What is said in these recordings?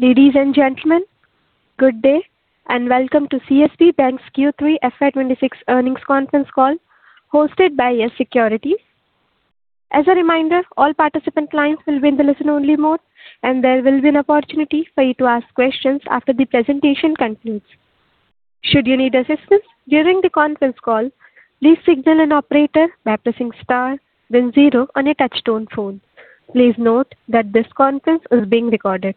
Ladies and gentlemen, good day, and welcome to CSB Bank's Q3 FY 2026 earnings conference call, hosted by Yes Securities. As a reminder, all participant clients will be in the listen-only mode, and there will be an opportunity for you to ask questions after the presentation concludes. Should you need assistance during the conference call, please signal an operator by pressing star then zero on your touchtone phone. Please note that this conference is being recorded.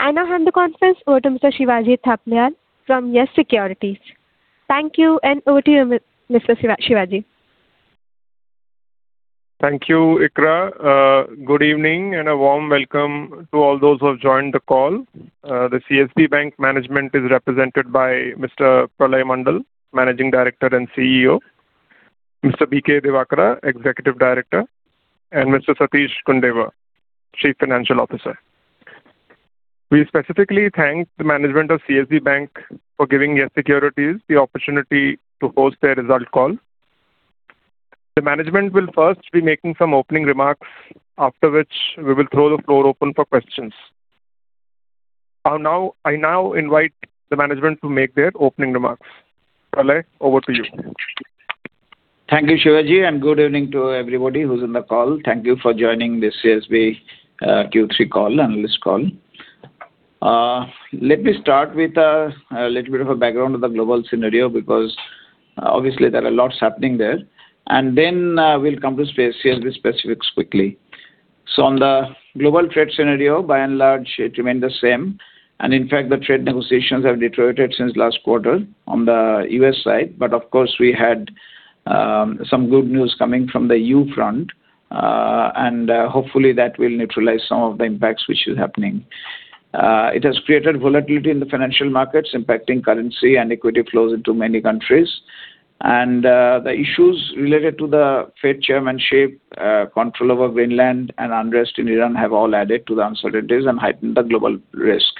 I now hand the conference over to Mr. Shivaji Thapliyal from Yes Securities. Thank you, and over to you, Mr. Shivaji. Thank you, Ikra. Good evening, and a warm welcome to all those who have joined the call. The CSB Bank management is represented by Mr. Pralay Mondal, Managing Director and CEO; Mr. B.K. Divakara, Executive Director; and Mr. Satish Gundewar, Chief Financial Officer. We specifically thank the management of CSB Bank for giving Yes Securities the opportunity to host their result call. The management will first be making some opening remarks, after which we will throw the floor open for questions. I now invite the management to make their opening remarks. Pralay, over to you. Thank you, Shivaji, and good evening to everybody who's on the call. Thank you for joining this CSB Q3 call, analyst call. Let me start with a little bit of a background of the global scenario, because, obviously, there are lots happening there. And then, we'll come to space, CSB specifics quickly. So on the global trade scenario, by and large, it remained the same, and in fact, the trade negotiations have deteriorated since last quarter on the U.S. side. But of course, we had some good news coming from the E.U. front, and hopefully, that will neutralize some of the impacts which is happening. It has created volatility in the financial markets, impacting currency and equity flows into many countries. The issues related to the Fed chairmanship, control over Mainland, and unrest in Iran have all added to the uncertainties and heightened the global risk.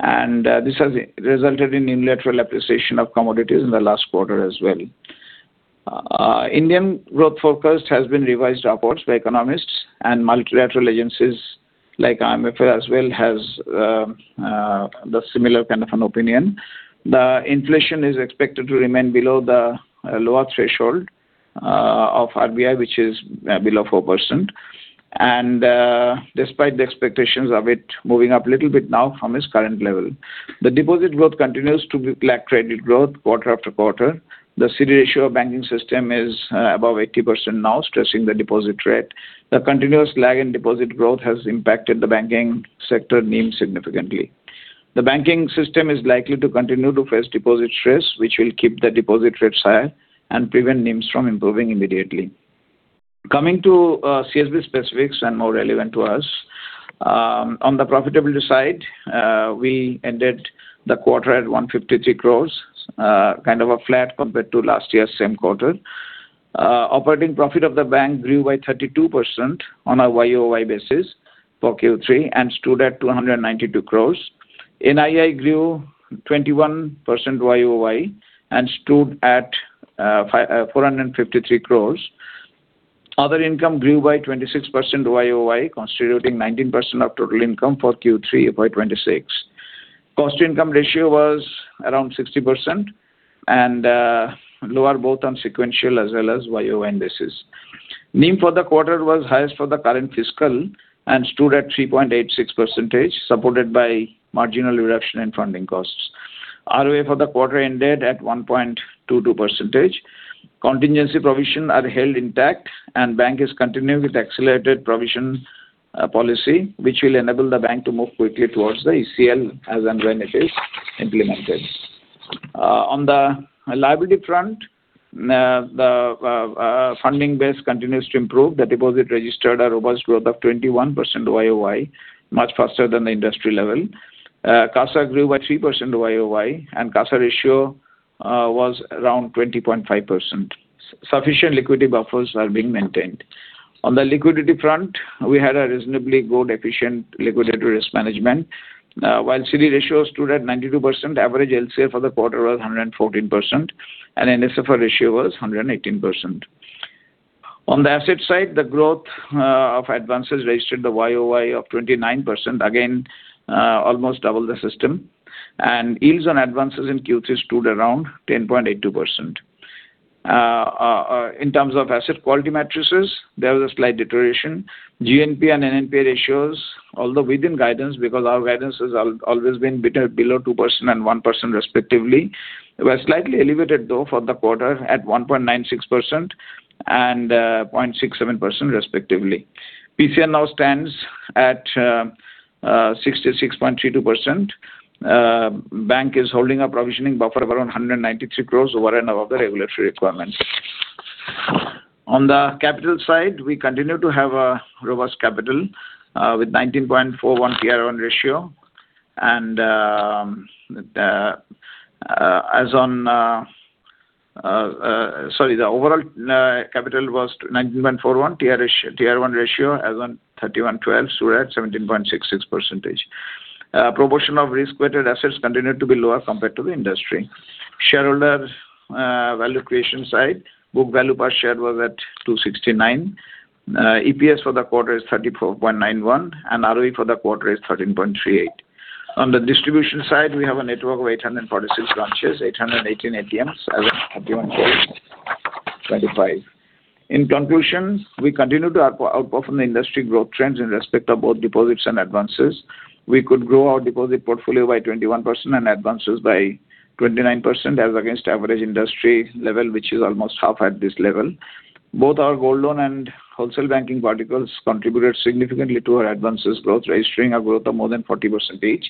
This has resulted in unilateral appreciation of commodities in the last quarter as well. Indian growth forecast has been revised upwards by economists, and multilateral agencies, like IMF as well, has the similar kind of an opinion. The inflation is expected to remain below the lower threshold of RBI, which is below 4%, and despite the expectations of it moving up a little bit now from its current level. The deposit growth continues to lag credit growth quarter after quarter. The CD ratio of banking system is above 80% now, stressing the deposit rate. The continuous lag in deposit growth has impacted the banking sector NIM significantly. The banking system is likely to continue to face deposit stress, which will keep the deposit rates high and prevent NIMs from improving immediately. Coming to CSB specifics and more relevant to us, on the profitability side, we ended the quarter at 153 crore, kind of a flat compared to last year's same quarter. Operating profit of the bank grew by 32% on a YoY basis for Q3 and stood at 292 crore. NII grew 21% YoY and stood at 453 crore. Other income grew by 26% YoY, constituting 19% of total income for Q3 of FY 2026. Cost-to-Income Ratio was around 60% and lower both on sequential as well as YoY basis. NIM for the quarter was highest for the current fiscal and stood at 3.86%, supported by marginal reduction in funding costs. ROA for the quarter ended at 1.22%. Contingency provision are held intact, and bank is continuing with accelerated provision policy, which will enable the bank to move quickly towards the ECL as and when it is implemented. On the liability front, the funding base continues to improve. The deposit registered a robust growth of 21% YoY, much faster than the industry level. CASA grew by 3% YoY, and CASA ratio was around 20.5%. Sufficient liquidity buffers are being maintained. On the liquidity front, we had a reasonably good, efficient liquidity risk management. While CD ratio stood at 92%, average LCR for the quarter was 114%, and NSFR was 118%. On the asset side, the growth of advances registered the YoY of 29%, again, almost double the system, and yields on advances in Q3 stood around 10.82%. In terms of asset quality metrics, there was a slight deterioration. GNPA and NNPA ratios, although within guidance, because our guidance has always been below 2% and 1% respectively, were slightly elevated, though, for the quarter at 1.96% and 0.67%, respectively. PCR now stands at 66.32%. Bank is holding a provisioning buffer of around 193 crore over and above the regulatory requirements. On the capital side, we continue to have robust capital, with 19.41 ratio, and, as on, sorry, the overall capital was 19.41. ratio, as on 31/12, stood at 17.66%. Proportion of risk-weighted assets continued to be lower compared to the industry. Shareholder value creation side, book value per share was at 269. EPS for the quarter is 34.91, and ROE for the quarter is 13.38%. On the distribution side, we have a network of 846 branches, 818 ATMs, as of 2021-2025. In conclusion, we continue to outperform the industry growth trends in respect of both deposits and advances. We could grow our deposit portfolio by 21% and advances by 29% as against average industry level, which is almost half at this level. Both our gold loan and wholesale banking verticals contributed significantly to our advances growth, registering a growth of more than 40%.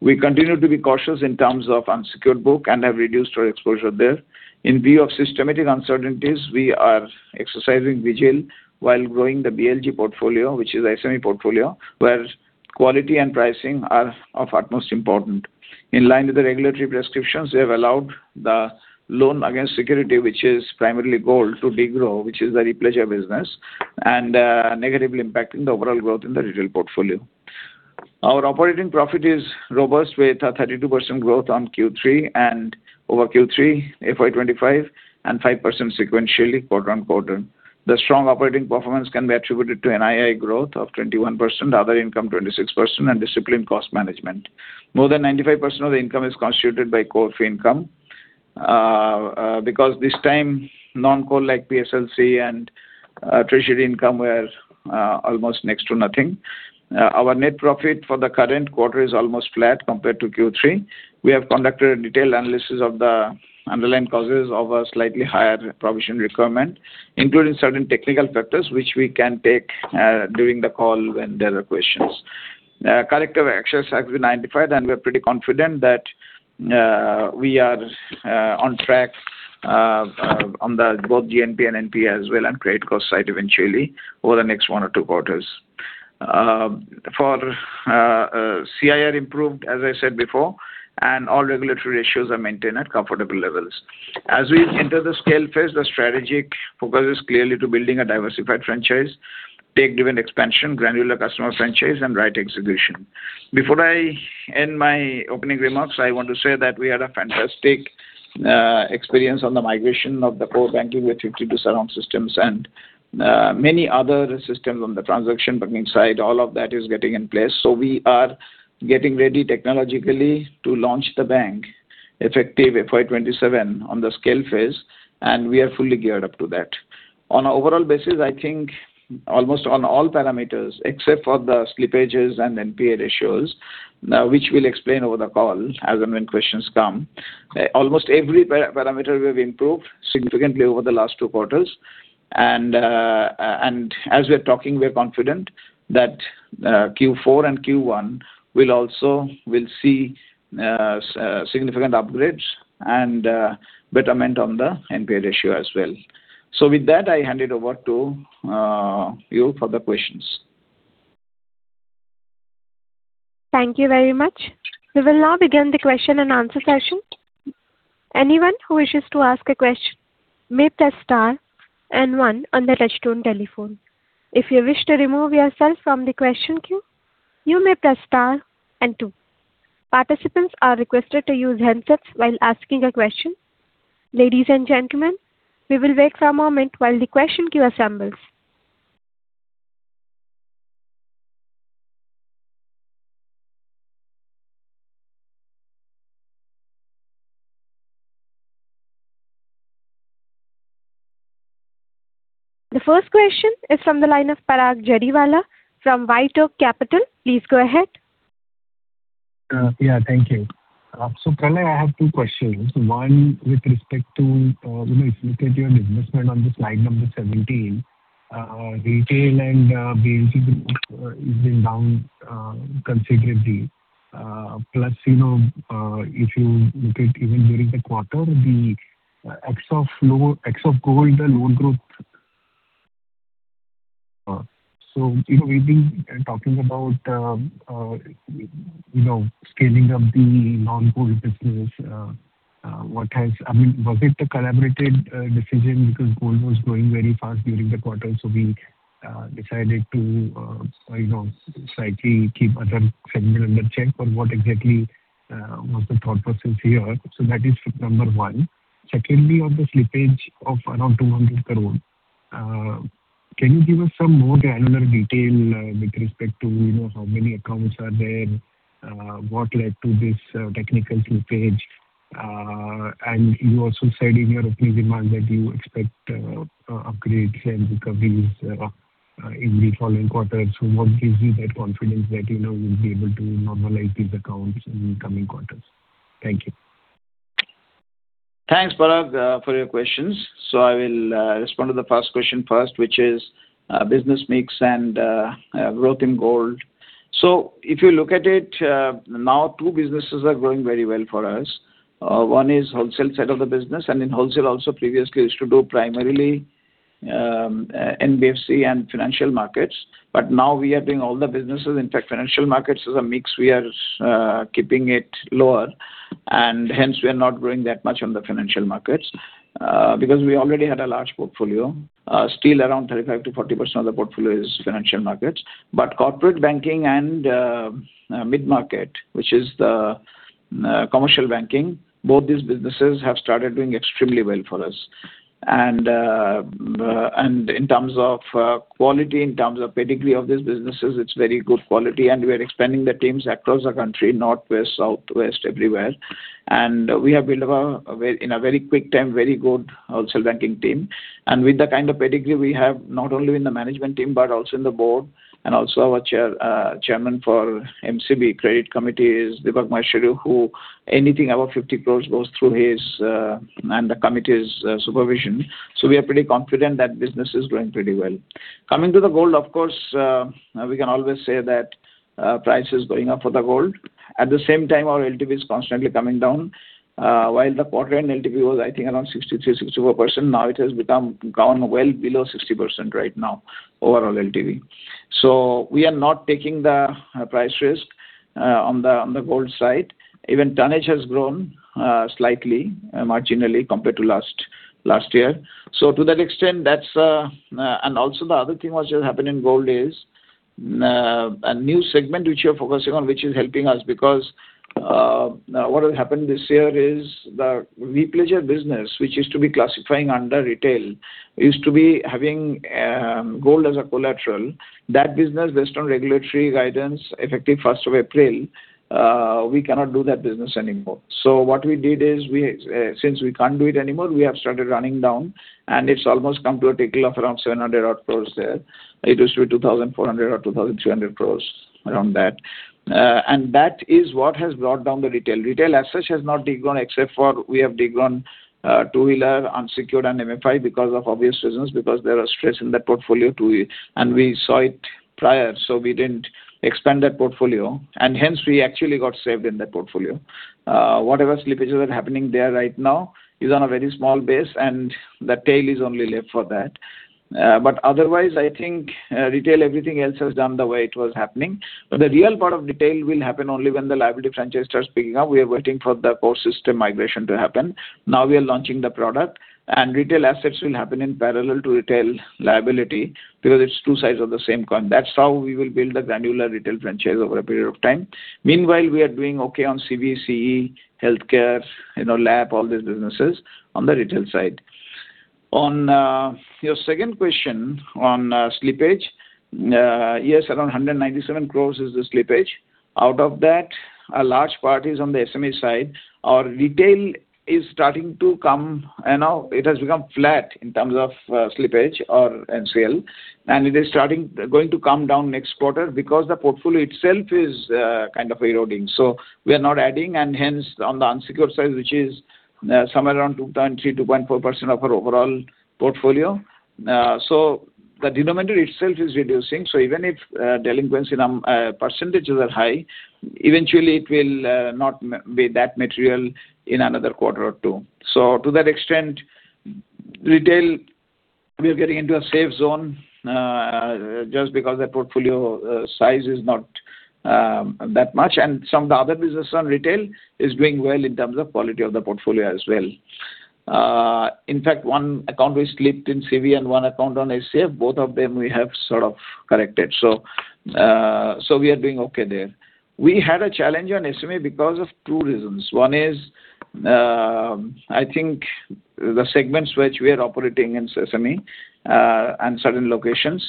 We continue to be cautious in terms of unsecured book and have reduced our exposure there. In view of systemic uncertainties, we are exercising vigilance while growing the BLG portfolio, which is SME portfolio, where quality and pricing are of utmost importance. In line with the regulatory prescriptions, we have allowed the loan against security, which is primarily gold, to de-grow, which is the re-pledge business, and negatively impacting the overall growth in the retail portfolio. Our operating profit is robust, with a 32% growth on Q3 and over Q3, FY 2025, and 5% sequentially, quarter on quarter. The strong operating performance can be attributed to NII growth of 21%, other income 26%, and disciplined cost management. More than 95% of the income is constituted by core fee income, because this time, non-core, like PSLC and, treasury income, were almost next to nothing. Our net profit for the current quarter is almost flat compared to Q3. We have conducted a detailed analysis of the underlying causes of a slightly higher provision requirement, including certain technical factors, which we can take during the call when there are questions. Corrective actions have been identified, and we're pretty confident that we are on track on the both GNPA and NPA as well, and credit cost side eventually over the next one or two quarters. CIR improved, as I said before, and all regulatory ratios are maintained at comfortable levels. As we enter the scale phase, the strategic focus is clearly to building a diversified franchise, take different expansion, granular customer franchise, and right execution. Before I end my opening remarks, I want to say that we had a fantastic experience on the migration of the core banking with 52 surrounding systems and many other systems on the transaction banking side. All of that is getting in place, so we are getting ready technologically to launch the bank effective FY 2027 on the scale phase, and we are fully geared up to that. On an overall basis, I think almost on all parameters, except for the slippages and NPA ratios, which we'll explain over the call as and when questions come. Almost every parameter we have improved significantly over the last two quarters. And as we're talking, we are confident that Q4 and Q1 will also see significant upgrades and betterment on the NPA ratio as well. So with that, I hand it over to you for the questions. Thank you very much. We will now begin the question-and-answer session. Anyone who wishes to ask a question, may press star and one on the touch-tone telephone. If you wish to remove yourself from the question queue, you may press star and two. Participants are requested to use handsets while asking a question. Ladies and gentlemen, we will wait for a moment while the question queue assembles. The first question is from the line of Parag Jariwala from White Oak Capital. Please go ahead. Yeah, thank you. So Pralay, I have two questions. One, with respect to, you know, if you look at your business model on the slide number 17, retail and BLG has been down considerably. Plus, you know, if you look at even during the quarter, the ex of low, ex of gold, the loan growth. So, you know, we've been talking about, you know, scaling up the non-gold business. What has—I mean, was it a collaborated decision because gold was growing very fast during the quarter, so we decided to, you know, slightly keep other segment under check, or what exactly was the thought process here? So that is number one. Secondly, on the slippage of around 200 crore, can you give us some more granular detail with respect to, you know, how many accounts are there? What led to this technical slippage? And you also said in your opening remarks that you expect upgrades and recoveries in the following quarters. So what gives you that confidence that, you know, you'll be able to normalize these accounts in the coming quarters? Thank you. Thanks, Parag, for your questions. So I will respond to the first question first, which is business mix and growth in gold. So if you look at it, now, two businesses are growing very well for us. One is wholesale side of the business, and in wholesale also previously used to do primarily NBFC and financial markets, but now we are doing all the businesses. In fact, financial markets is a mix. We are keeping it lower, and hence we are not growing that much on the financial markets because we already had a large portfolio. Still around 35%-40% of the portfolio is financial markets, but corporate banking and mid-market, which is the commercial banking, both these businesses have started doing extremely well for us.... In terms of quality, in terms of pedigree of these businesses, it's very good quality, and we are expanding the teams across the country, north, west, south, west, everywhere. We have built a very, in a very quick time, very good wholesale banking team. With the kind of pedigree we have, not only in the management team, but also in the board, and also our chairman for MCB credit committee is Deepak Maheshwari, who anything above 50 crore goes through his, and the committee's, supervision. So we are pretty confident that business is going pretty well. Coming to the gold, of course, we can always say that, price is going up for the gold. At the same time, our LTV is constantly coming down. While the quarter-end LTV was, I think, around 63%-64%, now it has become, gone well below 60% right now, overall LTV. So we are not taking the price risk on the gold side. Even tonnage has grown slightly, marginally compared to last year. So to that extent, that's... And also the other thing which has happened in gold is a new segment which we are focusing on, which is helping us, because what has happened this year is the re-pledge business, which used to be classifying under retail, used to be having gold as a collateral. That business, based on regulatory guidance, effective first of April, we cannot do that business anymore. So what we did is, since we can't do it anymore, we have started running down, and it's almost come to a trickle of around 700-odd crore there. It was 2,400 or 2,300 crore, around that. And that is what has brought down the retail. Retail as such has not de-grown, except for we have de-grown two-wheeler, unsecured and MFI because of obvious reasons, because there was stress in that portfolio, and we saw it prior, so we didn't expand that portfolio, and hence we actually got saved in that portfolio. Whatever slippages are happening there right now is on a very small base, and the tail is only left for that. But otherwise, I think, retail, everything else has done the way it was happening. But the real part of retail will happen only when the liability franchise starts picking up. We are waiting for the core system migration to happen. Now we are launching the product, and retail assets will happen in parallel to retail liability because it's two sides of the same coin. That's how we will build the granular retail franchise over a period of time. Meanwhile, we are doing okay on CV/CE, healthcare, you know, lab, all these businesses on the retail side. On your second question on slippage, yes, around 197 crore is the slippage. Out of that, a large part is on the SME side. Our retail is starting to come, and now it has become flat in terms of slippage or sales, and it is going to come down next quarter because the portfolio itself is kind of eroding. So we are not adding, and hence on the unsecured side, which is somewhere around 2.3%-2.4% of our overall portfolio. So the denominator itself is reducing, so even if delinquency percentages are high, eventually it will not be that material in another quarter or two. So to that extent, retail, we are getting into a safe zone just because the portfolio size is not that much. And some of the other business on retail is doing well in terms of quality of the portfolio as well. In fact, one account we slipped in CV and one account on HCF, both of them we have sort of corrected. So, so we are doing okay there. We had a challenge on SME because of two reasons. One is, I think the segments which we are operating in SME, and certain locations,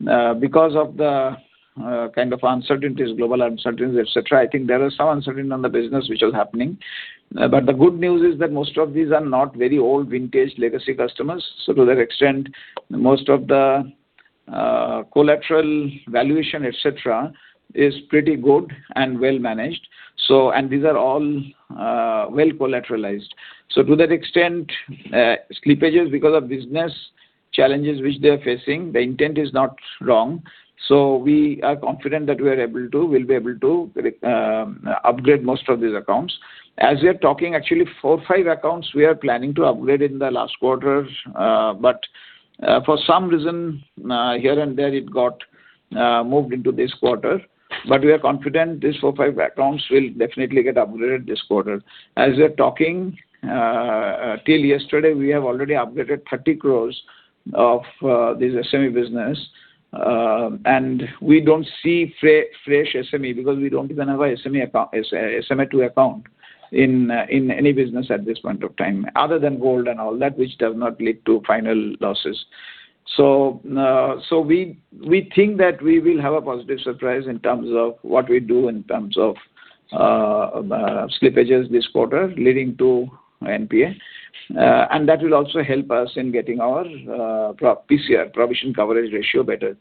because of the, kind of uncertainties, global uncertainties, et cetera, I think there is some uncertainty on the business which is happening. But the good news is that most of these are not very old, vintage, legacy customers. So to that extent, most of the, collateral valuation, et cetera, is pretty good and well managed. So, and these are all, well collateralized. So to that extent, slippages, because of business challenges which they are facing, the intent is not wrong. So we are confident that we are able to, we'll be able to upgrade most of these accounts. As we are talking, actually 4 accounts-5 accounts we are planning to upgrade in the last quarter, but, for some reason, here and there, it got moved into this quarter. But we are confident these 4 accounts-5 accounts will definitely get upgraded this quarter. As we are talking, till yesterday, we have already upgraded 30 crore of this SME business. And we don't see fresh SME because we don't have an SME account, SMA 2 account in any business at this point of time, other than gold and all that, which does not lead to final losses. So, we think that we will have a positive surprise in terms of what we do in terms of slippages this quarter leading to NPA. And that will also help us in getting our PCR, provision coverage ratio, better.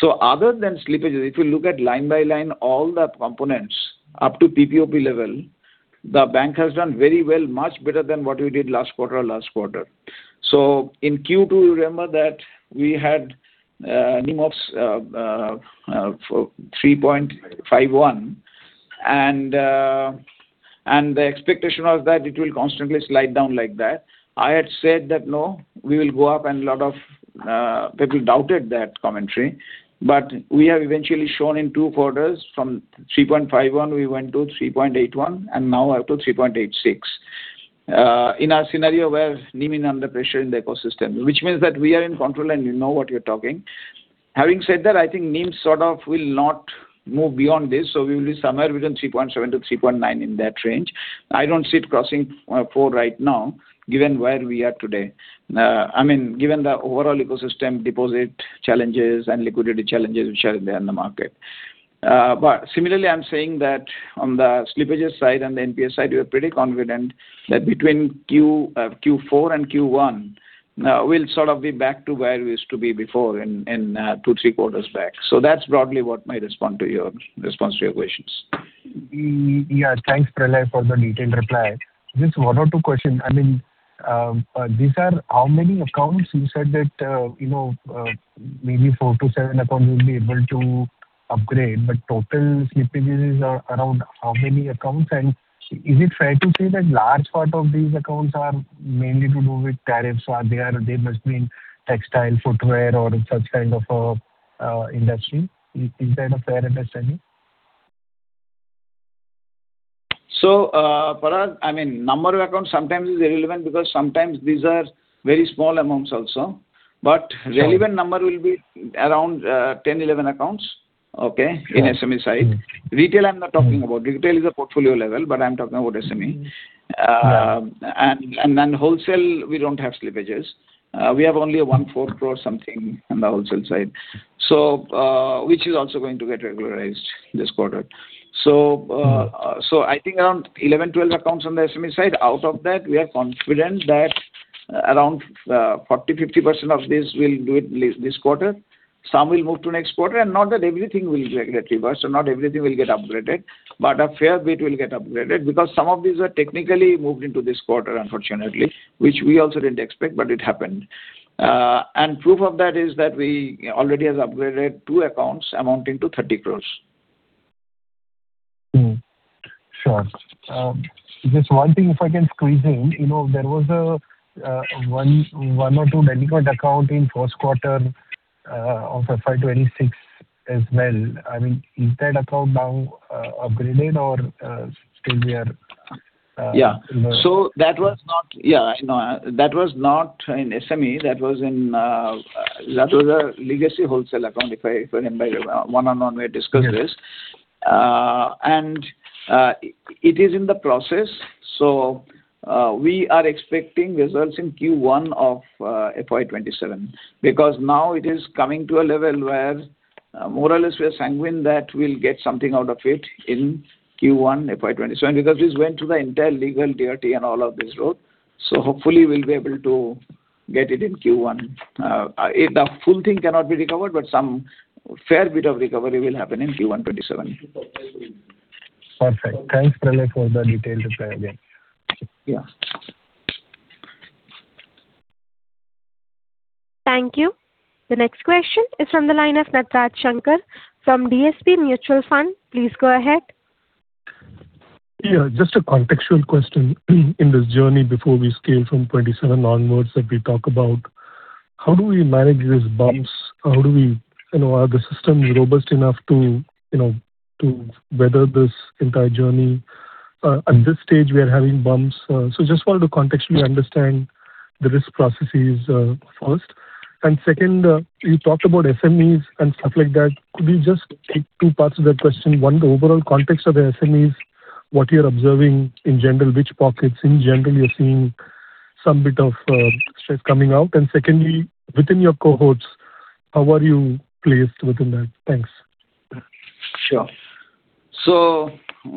So other than slippages, if you look at line by line, all the components up to PPOP level, the bank has done very well, much better than what we did last quarter or last quarter. So in Q2, you remember that we had NIM of 3.51, and the expectation was that it will constantly slide down like that. I had said that, "No, we will go up," and a lot of people doubted that commentary, but we have eventually shown in two quarters from 3.51, we went to 3.81, and now up to 3.86. In our scenario, we have NIM in under pressure in the ecosystem, which means that we are in control and we know what we are talking.... Having said that, I think NIMs sort of will not move beyond this, so we will be somewhere within 3.7-3.9, in that range. I don't see it crossing four right now, given where we are today. I mean, given the overall ecosystem deposit challenges and liquidity challenges which are there in the market. Similarly, I'm saying that on the slippages side and the NPS side, we are pretty confident that between Q4 and Q1, we'll sort of be back to where we used to be before in 2 quarters-3 quarters back. So that's broadly what my response to your questions. Yeah. Thanks, Pralay, for the detailed reply. Just one or two question. I mean, these are how many accounts? You said that, you know, maybe four to seven accounts will be able to upgrade, but total slippages is, are around how many accounts? And is it fair to say that large part of these accounts are mainly to do with tariffs, or they are, they must be in textile, footwear or such kind of, industry? Is that a fair understanding? Parag, I mean, number of accounts sometimes is irrelevant, because sometimes these are very small amounts also. But relevant number will be around 10, 11 accounts, okay? Sure. In SME side. Retail, I'm not talking about. Retail is a portfolio level, but I'm talking about SME. Mm-hmm. Yeah. Then wholesale, we don't have slippages. We have only one 4 crore or something on the wholesale side. So, I think around 11, 12 accounts on the SME side. Out of that, we are confident that around 40, 50% of this will do it this, this quarter. Some will move to next quarter, and not that everything will get reversed, so not everything will get upgraded, but a fair bit will get upgraded. Because some of these are technically moved into this quarter, unfortunately, which we also didn't expect, but it happened. And proof of that is that we already have upgraded 2 accounts amounting to 30 crore. Hmm. Sure. Just one thing, if I can squeeze in. You know, there was a one or two delinquent account in first quarter of FY 2026 as well. I mean, is that account now upgraded or still we are- Yeah. So that was not... Yeah, no, that was not in SME, that was in, that was a legacy wholesale account, if I, if I remember. One-on-one, we had discussed this. Mm-hmm. It is in the process, so we are expecting results in Q1 of FY 2027. Because now it is coming to a level where, more or less, we are sanguine that we'll get something out of it in Q1 FY 2027. Because this went to the entire legal directory and all of this route, so hopefully we'll be able to get it in Q1. If the full thing cannot be recovered, but some fair bit of recovery will happen in Q1 2027. Perfect. Thanks, Pralay, for the detailed reply again. Yeah. Thank you. The next question is from the line of Nataraj Sankaranarayan from DSP Mutual Fund. Please go ahead. Yeah, just a contextual question. In this journey before we scale from 27 onwards, that we talk about, how do we manage these bumps? How do we—you know, are the system robust enough to, you know, to weather this entire journey? At this stage, we are having bumps, so just wanted to contextually understand the risk processes, first. And second, you talked about SMEs and stuff like that. Could you just take two parts of that question? One, the overall context of the SMEs, what you're observing in general, which pockets, in general, you're seeing some bit of stress coming out. And secondly, within your cohorts, how are you placed within that? Thanks. Sure. So,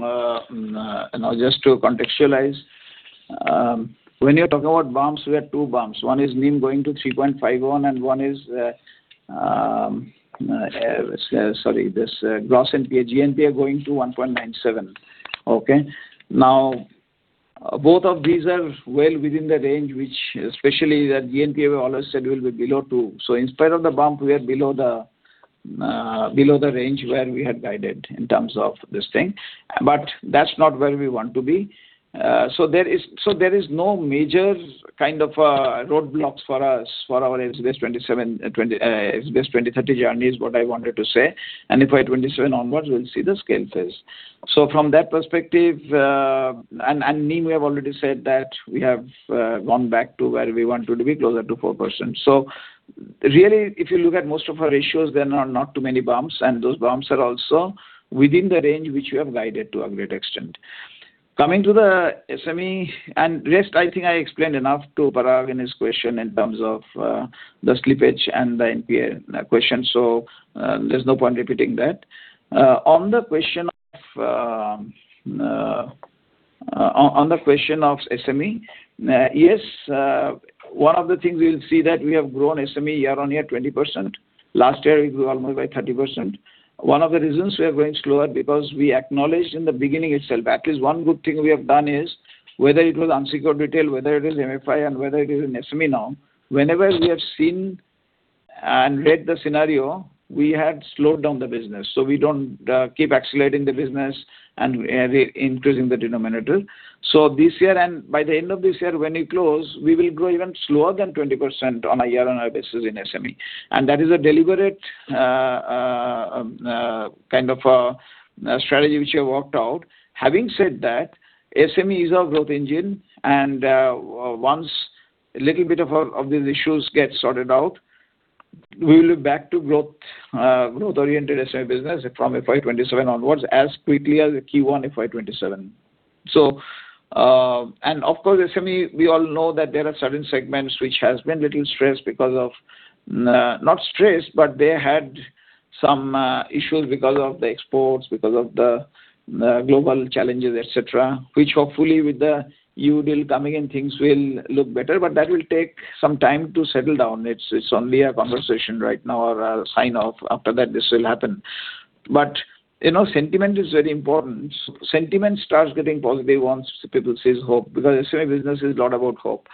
now just to contextualize, when you're talking about bumps, we have two bumps. One is NIM going to 3.51, and one is, sorry, this, gross NPA, GNPA going to 1.97. Okay? Now, both of these are well within the range which, especially that GNPA, we always said will be below 2. So in spite of the bump, we are below the range where we had guided in terms of this thing. But that's not where we want to be. So there is no major kind of roadblocks for us, for our SBS 2030 journey, is what I wanted to say, and FY 2027 onwards, we'll see the scale phase. So from that perspective, and, and NIM, we have already said that we have gone back to where we want to be, closer to 4%. So really, if you look at most of our ratios, there are not too many bumps, and those bumps are also within the range which we have guided to a great extent. Coming to the SME and rest, I think I explained enough to Parag in his question in terms of the slippage and the NPA question, so there's no point repeating that. On the question of SME, yes, one of the things we'll see that we have grown SME year-on-year 20%. Last year, we grew almost by 30%. One of the reasons we are growing slower, because we acknowledged in the beginning itself, at least one good thing we have done is whether it was unsecured retail, whether it is MFI and whether it is an SME now, whenever we have seen and read the scenario, we had slowed down the business, so we don't keep accelerating the business and, and increasing the denominator. So this year, and by the end of this year, when we close, we will grow even slower than 20% on a year-on-year basis in SME. And that is a deliberate kind of a strategy which you have worked out. Having said that, SME is our growth engine, and once a little bit of our, of these issues get sorted out, we will be back to growth, growth-oriented SME business from FY 2027 onwards, as quickly as Q1 FY 2027. So, and of course, SME, we all know that there are certain segments which has been little stressed because of, not stressed, but they had some issues because of the exports, because of the global challenges, et cetera, which hopefully with the new deal coming in, things will look better. But that will take some time to settle down. It's only a conversation right now or a sign-off, after that, this will happen. But, you know, sentiment is very important. Sentiment starts getting positive once people sees hope, because SME business is a lot about hope.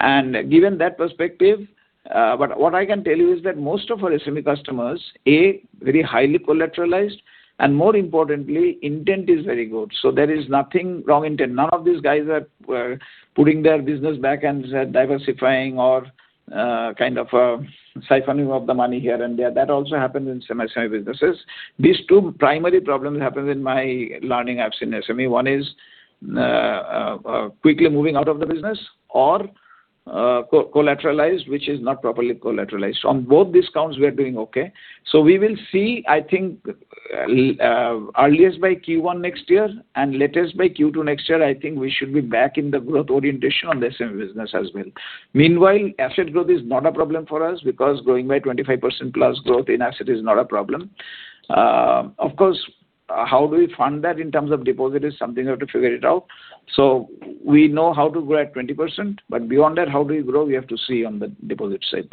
And given that perspective, but what I can tell you is that most of our SME customers, A, very highly collateralized, and more importantly, intent is very good. So there is nothing wrong intent. None of these guys are putting their business back and diversifying or kind of siphoning off the money here and there. That also happened in some SME businesses. These two primary problems happened in my learning I've seen in SME. One is quickly moving out of the business or co-collateralized, which is not properly collateralized. So on both these counts, we are doing okay. So we will see, I think, earliest by Q1 next year, and latest by Q2 next year, I think we should be back in the growth orientation on the SME business as well. Meanwhile, asset growth is not a problem for us because growing by 25% plus growth in asset is not a problem. Of course, how do we fund that in terms of deposit is something we have to figure it out. So we know how to grow at 20%, but beyond that, how do we grow? We have to see on the deposit side.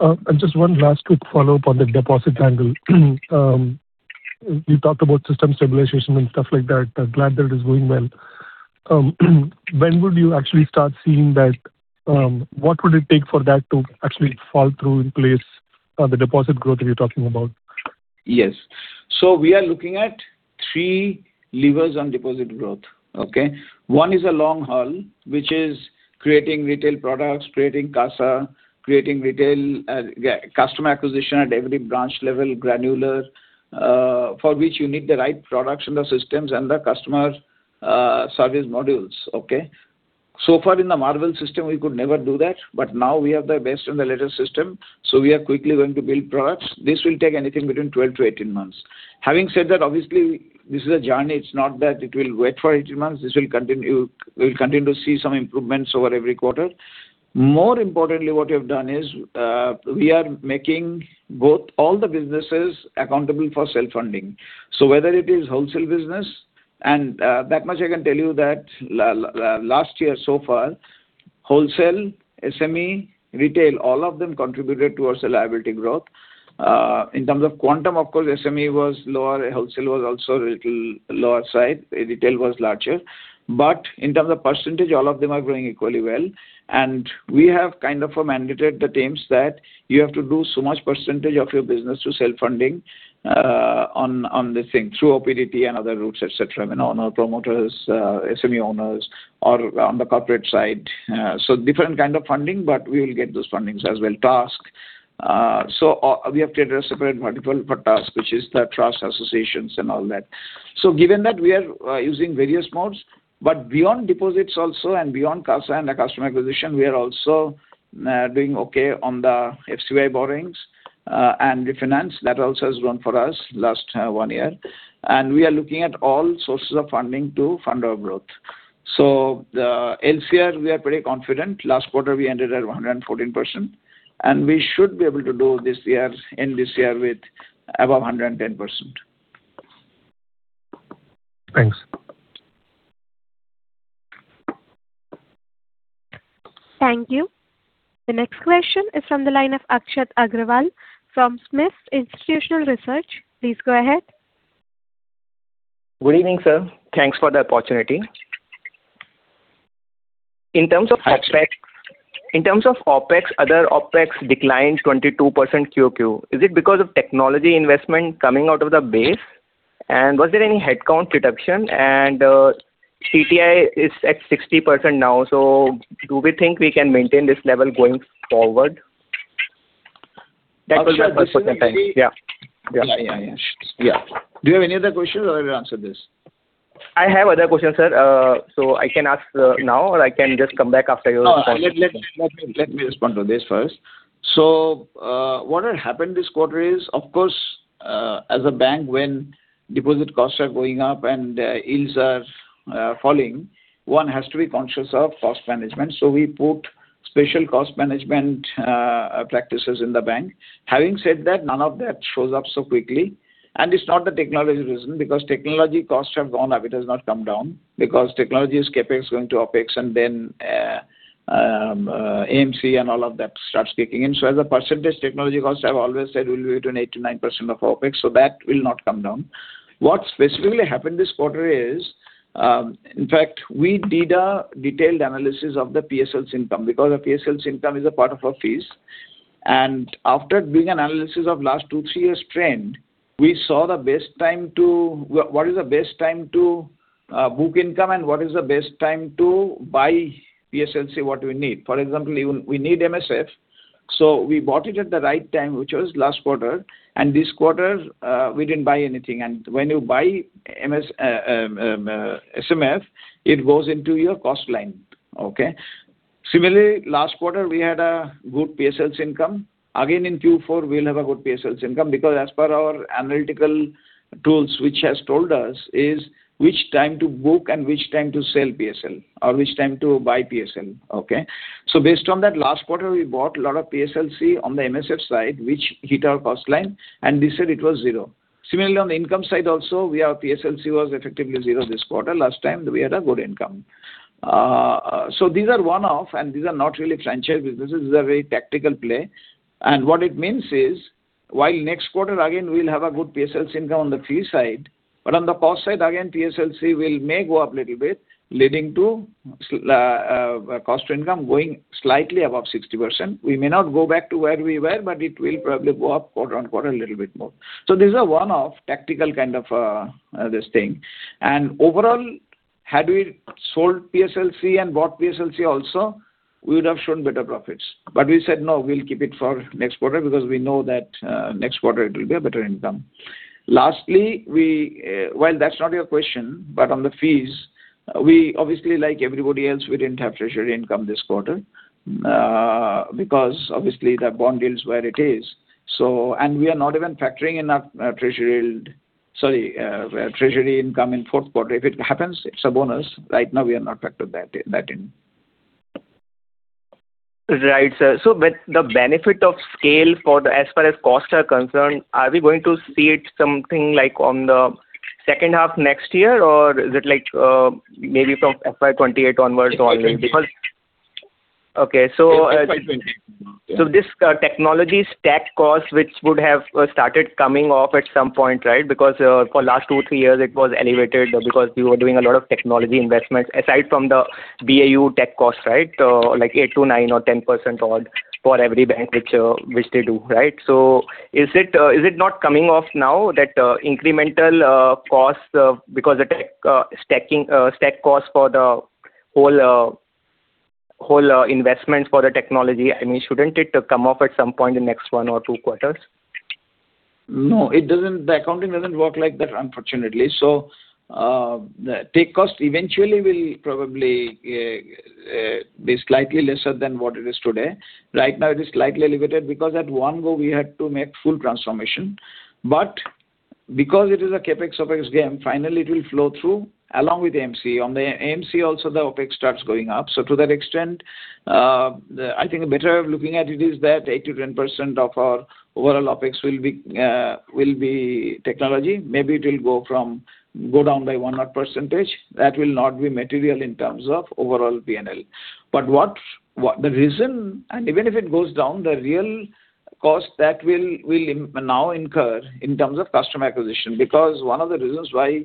And just one last quick follow-up on the deposit angle. You talked about system stabilization and stuff like that. I'm glad that it is going well. When would you actually start seeing that, what would it take for that to actually fall through in place, the deposit growth that you're talking about? Yes. So we are looking at three levers on deposit growth, okay? One is a long haul, which is creating retail products, creating CASA, creating retail, yeah, customer acquisition at every branch level, granular, for which you need the right products and the systems and the customer, service modules, okay? So far in the MAARVEL system, we could never do that, but now we have the best and the latest system, so we are quickly going to build products. This will take anything between 12 months-18 months. Having said that, obviously, this is a journey. It's not that it will wait for 18 months. This will continue. We'll continue to see some improvements over every quarter. More importantly, what we have done is, we are making both all the businesses accountable for self-funding. So whether it is wholesale business and, that much I can tell you that last year so far, wholesale, SME, retail, all of them contributed towards the liability growth. In terms of quantum, of course, SME was lower, wholesale was also a little lower side, retail was larger. But in terms of percentage, all of them are growing equally well. And we have kind of mandated the teams that you have to do so much percentage of your business to self-funding, on, on this thing, through OPDT and other routes, et cetera, you know, owner promoters, SME owners, or on the corporate side. So different kind of funding, but we will get those fundings as well. TASC, so we have to address separate model for TASC, which is the trust, associations and all that. So given that, we are using various modes, but beyond deposits also and beyond CASA and the customer acquisition, we are also doing okay on the FCY borrowings and refinance. That also has grown for us last one year. And we are looking at all sources of funding to fund our growth. So the LCR, we are pretty confident. Last quarter, we ended at 114%, and we should be able to do this year, end this year with above 110%. Thanks. Thank you. The next question is from the line of Akshat Agrawal from SMIFS Limited. Please go ahead. Good evening, sir. Thanks for the opportunity. In terms of OpEx- Hi, Akshat. In terms of OpEx, other OpEx declined 22% QOQ. Is it because of technology investment coming out of the base? And was there any headcount reduction? And, CTI is at 60% now, so do we think we can maintain this level going forward? That will be my first question, yeah. Yeah. Yeah, yeah. Do you have any other questions, or I answer this? I have other questions, sir. So I can ask now, or I can just come back after you- No, let me respond to this first. So, what had happened this quarter is, of course, as a bank, when deposit costs are going up and, yields are, falling, one has to be conscious of cost management. So we put special cost management practices in the bank. Having said that, none of that shows up so quickly, and it's not the technology reason, because technology costs have gone up, it has not come down. Because technology CapEx going to OpEx and then, AMC and all of that starts kicking in. So as a percentage, technology costs, I've always said, will be between 8%-9% of OpEx, so that will not come down. What specifically happened this quarter is, in fact, we did a detailed analysis of the PSLCs income, because the PSLCs income is a part of our fees. And after doing an analysis of last two, three years' trend, we saw what is the best time to book income and what is the best time to buy PSLC, what we need. For example, even we need MSF, so we bought it at the right time, which was last quarter, and this quarter, we didn't buy anything. And when you buy MSF, it goes into your cost line, okay? Similarly, last quarter, we had a good PSLC income. Again, in Q4, we'll have a good PSLC income because as per our analytical tools, which has told us, is which time to book and which time to sell PSL, or which time to buy PSL, okay? So based on that, last quarter, we bought a lot of PSLC on the MSF side, which hit our cost line, and this side it was zero. Similarly, on the income side also, we have PSLC was effectively zero this quarter. Last time, we had a good income. So these are one-off, and these are not really franchise businesses. These are very tactical play. And what it means is, while next quarter, again, we'll have a good PSLC income on the fee side, but on the cost side, again, PSLC will may go up little bit, leading to cost to income going slightly above 60%. We may not go back to where we were, but it will probably go up quarter-over-quarter a little bit more. So these are one-off tactical kind of this thing. And overall, had we sold PSLC and bought PSLC also, we would have shown better profits. But we said, "No, we'll keep it for next quarter," because we know that next quarter it will be a better income. Lastly, we... Well, that's not your question, but on the fees, we obviously, like everybody else, we didn't have treasury income this quarter because obviously, the bond yield is where it is. So, and we are not even factoring in our treasury yield, sorry, treasury income in fourth quarter. If it happens, it's a bonus. Right now, we have not factored that in. Right, sir. But the benefit of scale for the-- as far as costs are concerned, are we going to see it something like on the second half next year? Or is it like, maybe from FY 2028 onwards only? 2028. Okay, so, FY 2028. So this, technology stack costs, which would have started coming off at some point, right? Because, for last two, three years, it was elevated because we were doing a lot of technology investments, aside from the BAU tech costs, right? Like 8%-9% or 10% odd for every bank, which, which they do, right? So is it, is it not coming off now, that, incremental, cost, because the tech, stack costs for the whole, whole, investments for the technology, I mean, shouldn't it come off at some point in the next one or two quarters? No, it doesn't. The accounting doesn't work like that, unfortunately. So, the tech cost eventually will probably be slightly lesser than what it is today. Right now, it is slightly elevated because at one go, we had to make full transformation. But because it is a CapEx, OpEx game, finally, it will flow through along with AMC. On the AMC also, the OpEx starts going up. So to that extent, the-- I think a better way of looking at it is that 8%-10% of our overall OpEx will be technology. Maybe it will go down by one odd percentage. That will not be material in terms of overall P&L. But what, what-- the reason, and even if it goes down, the real cost that will now incur in terms of customer acquisition. Because one of the reasons why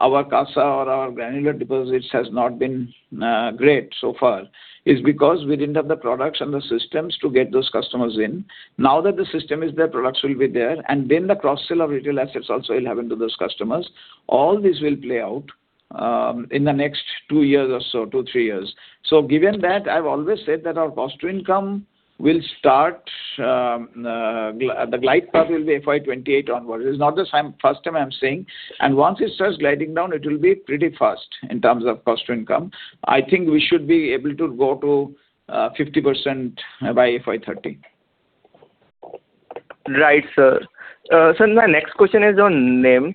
our CASA or our granular deposits has not been great so far is because we didn't have the products and the systems to get those customers in. Now that the system is there, products will be there, and then the cross-sell of retail assets also will happen to those customers. All this will play out in the next 2 years or so, 2, 3 years. So given that, I've always said that our cost to income will start the glide path will be FY 2028 onwards. It's not the same, first time I'm saying. And once it starts gliding down, it will be pretty fast in terms of cost to income. I think we should be able to go to 50% by FY 2030. Right, sir. So my next question is on NIM.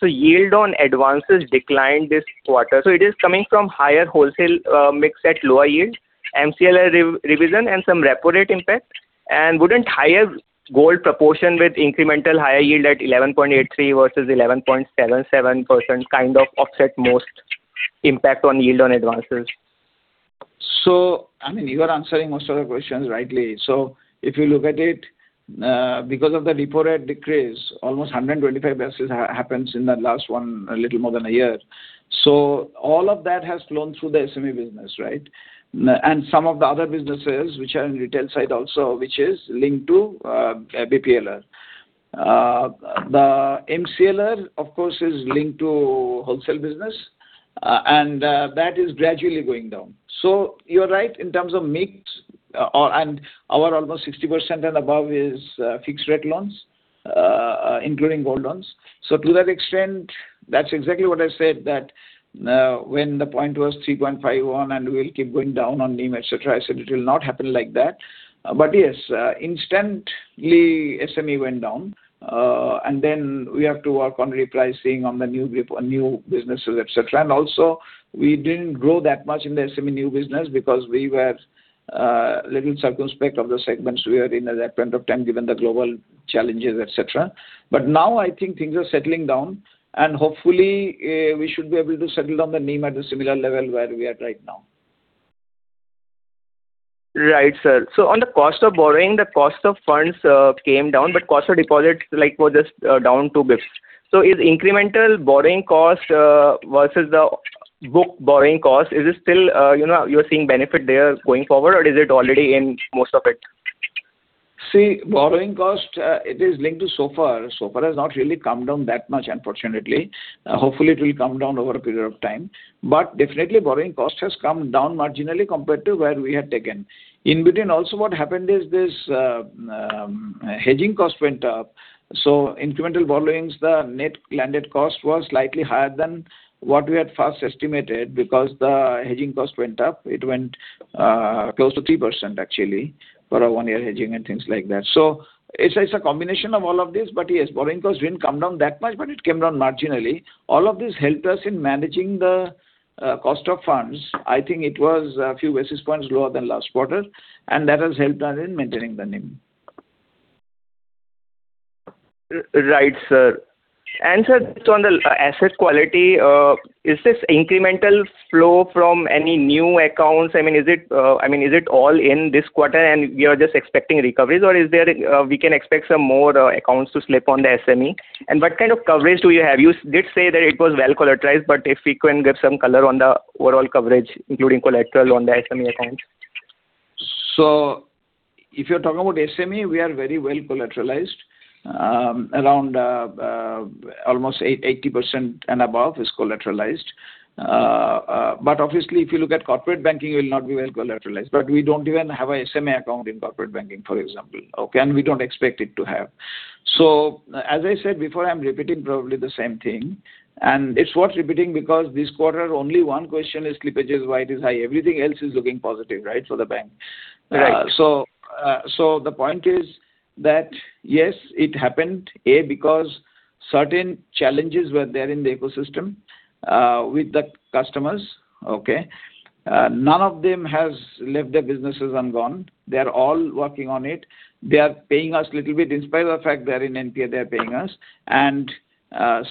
So yield on advances declined this quarter, so it is coming from higher wholesale mix at lower yield, MCLR revision and some repo rate impact. And wouldn't higher gold proportion with incremental higher yield at 11.83% versus 11.77% kind of offset most impact on yield on advances? So, I mean, you are answering most of the questions rightly. So if you look at it, because of the repo rate decrease, almost 125 basis points has happened in the last one, a little more than a year. So all of that has flown through the SME business, right? And some of the other businesses which are in retail side also, which is linked to BPLR. The MCLR, of course, is linked to wholesale business, and that is gradually going down. So you're right, in terms of mix, or, and our almost 60% and above is fixed-rate loans, including gold loans. So to that extent, that's exactly what I said, that when the point was 3.51 and will keep going down on NIM, et cetera, I said it will not happen like that. But yes, instantly, SME went down, and then we have to work on repricing on the new businesses, et cetera. And also, we didn't grow that much in the SME new business because we were little circumspect of the segments we are in at that point of time, given the global challenges, et cetera. But now I think things are settling down, and hopefully, we should be able to settle down the NIM at a similar level where we are right now. Right, sir. So on the cost of borrowing, the cost of funds, came down, but cost of deposits, like, was just, down 2 basis points. So is incremental borrowing cost, versus the book borrowing cost, is it still, you know, you're seeing benefit there going forward, or is it already in most of it? ... See, borrowing cost, it is linked to SOFR. SOFR has not really come down that much, unfortunately. Hopefully it will come down over a period of time. But definitely, borrowing cost has come down marginally compared to where we had taken. In between, also what happened is this, hedging cost went up, so incremental borrowings, the net landed cost was slightly higher than what we had first estimated because the hedging cost went up. It went, close to 3%, actually, for a one-year hedging and things like that. So it's, it's a combination of all of this, but yes, borrowing costs didn't come down that much, but it came down marginally. All of this helped us in managing the, cost of funds. I think it was a few basis points lower than last quarter, and that has helped us in maintaining the NIM. Right, sir. And, sir, so on the asset quality, is this incremental flow from any new accounts? I mean, is it, I mean, is it all in this quarter, and we are just expecting recoveries? Or is there, we can expect some more, accounts to slip on the SME? And what kind of coverage do you have? You did say that it was well collateralized, but if we can get some color on the overall coverage, including collateral on the SME account. So if you're talking about SME, we are very well collateralized, around almost 80% and above is collateralized. But obviously, if you look at corporate banking, it will not be well collateralized, but we don't even have a SME account in corporate banking, for example, okay? We don't expect it to have. So as I said before, I'm repeating probably the same thing, and it's worth repeating because this quarter, only one question is slippages, why it is high? Everything else is looking positive, right, for the bank. Right. So, the point is that, yes, it happened, A, because certain challenges were there in the ecosystem, with the customers, okay? None of them has left their businesses and gone. They are all working on it. They are paying us little bit, in spite of the fact they are in NPA, they are paying us. And,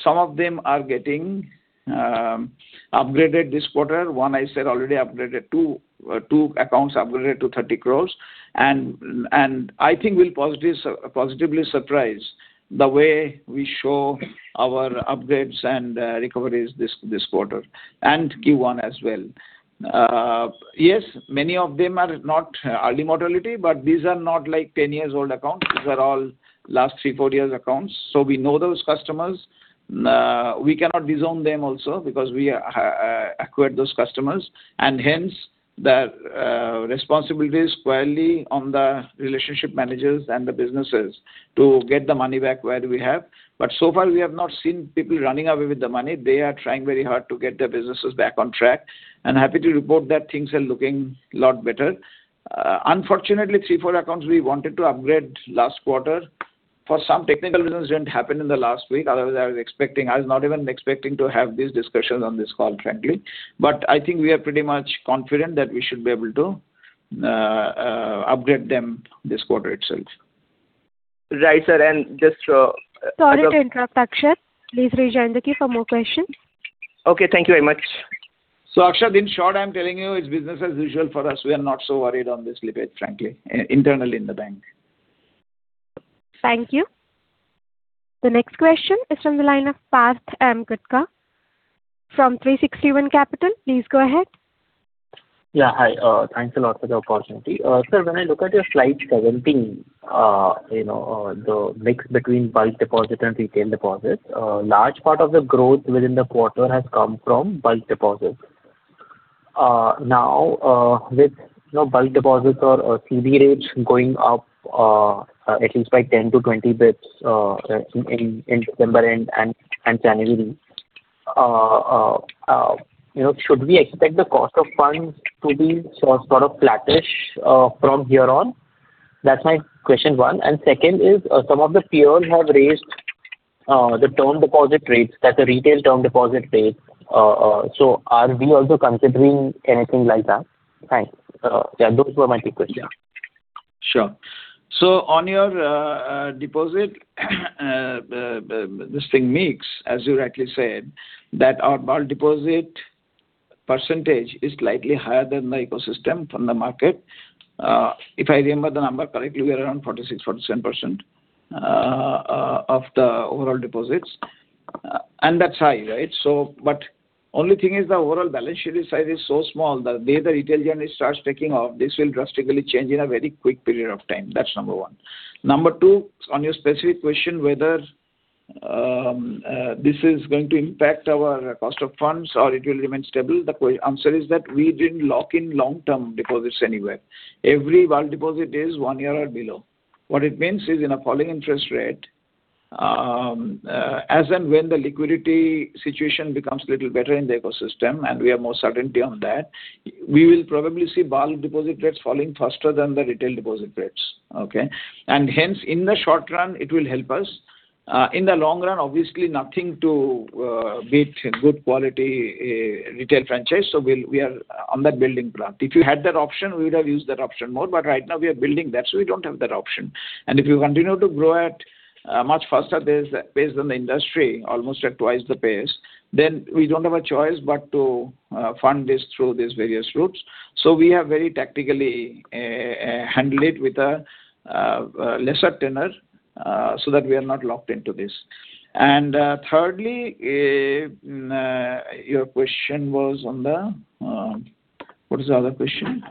some of them are getting upgraded this quarter. One I said already upgraded, two, two accounts upgraded to 30 crore. And, I think we'll positively surprise the way we show our upgrades and, recoveries this quarter and Q1 as well. Yes, many of them are not early mortality, but these are not like 10 years old accounts. These are all last 3, 4 years accounts, so we know those customers. We cannot disown them also because we acquired those customers, and hence, the responsibility is squarely on the relationship managers and the businesses to get the money back where we have. But so far, we have not seen people running away with the money. They are trying very hard to get their businesses back on track, and happy to report that things are looking a lot better. Unfortunately, 3, 4 accounts we wanted to upgrade last quarter, for some technical reasons, didn't happen in the last week. Otherwise, I was expecting - I was not even expecting to have these discussions on this call, frankly. But I think we are pretty much confident that we should be able to upgrade them this quarter itself. Right, sir. And just, Sorry to interrupt, Akshat. Please rejoin the queue for more questions. Okay, thank you very much. Akshat, in short, I'm telling you, it's business as usual for us. We are not so worried on this slippage, frankly, internally in the bank. Thank you. The next question is from the line of Amar Thakkar from 360 ONE Capital. Please go ahead. Yeah, hi. Thanks a lot for the opportunity. Sir, when I look at your slides presenting, you know, the mix between bulk deposit and retail deposits, large part of the growth within the quarter has come from bulk deposits. Now, with, you know, bulk deposits or CD rates going up, at least by 10 basis points-20 basis points in January, you know, should we expect the cost of funds to be so sort of flattish from here on? That's my question one. And second is, some of the peers have raised the term deposit rates, that's the retail term deposit rates, so are we also considering anything like that? Thanks. Yeah, those were my two questions. Yeah. Sure. So on your deposit mix, as you rightly said, that our bulk deposit percentage is slightly higher than the ecosystem from the market. If I remember the number correctly, we are around 46%, 47% of the overall deposits, and that's high, right? So but only thing is the overall balance sheet size is so small, the day the retail journey starts taking off, this will drastically change in a very quick period of time. That's number one. Number two, on your specific question whether this is going to impact our cost of funds or it will remain stable, the answer is that we didn't lock in long-term deposits anywhere. Every bulk deposit is one year or below. What it means is in a falling interest rate, as and when the liquidity situation becomes little better in the ecosystem, and we have more certainty on that, we will probably see bulk deposit rates falling faster than the retail deposit rates, okay? And hence, in the short run, it will help us. In the long run, obviously, nothing to beat a good quality retail franchise, so we'll, we are on that building block. If you had that option, we would have used that option more, but right now we are building that, so we don't have that option. And if you continue to grow at much faster pace, pace than the industry, almost at twice the pace, then we don't have a choice but to fund this through these various routes. We have very tactically handle it with a lesser tenor so that we are not locked into this. Thirdly, your question was on the. What is the other question?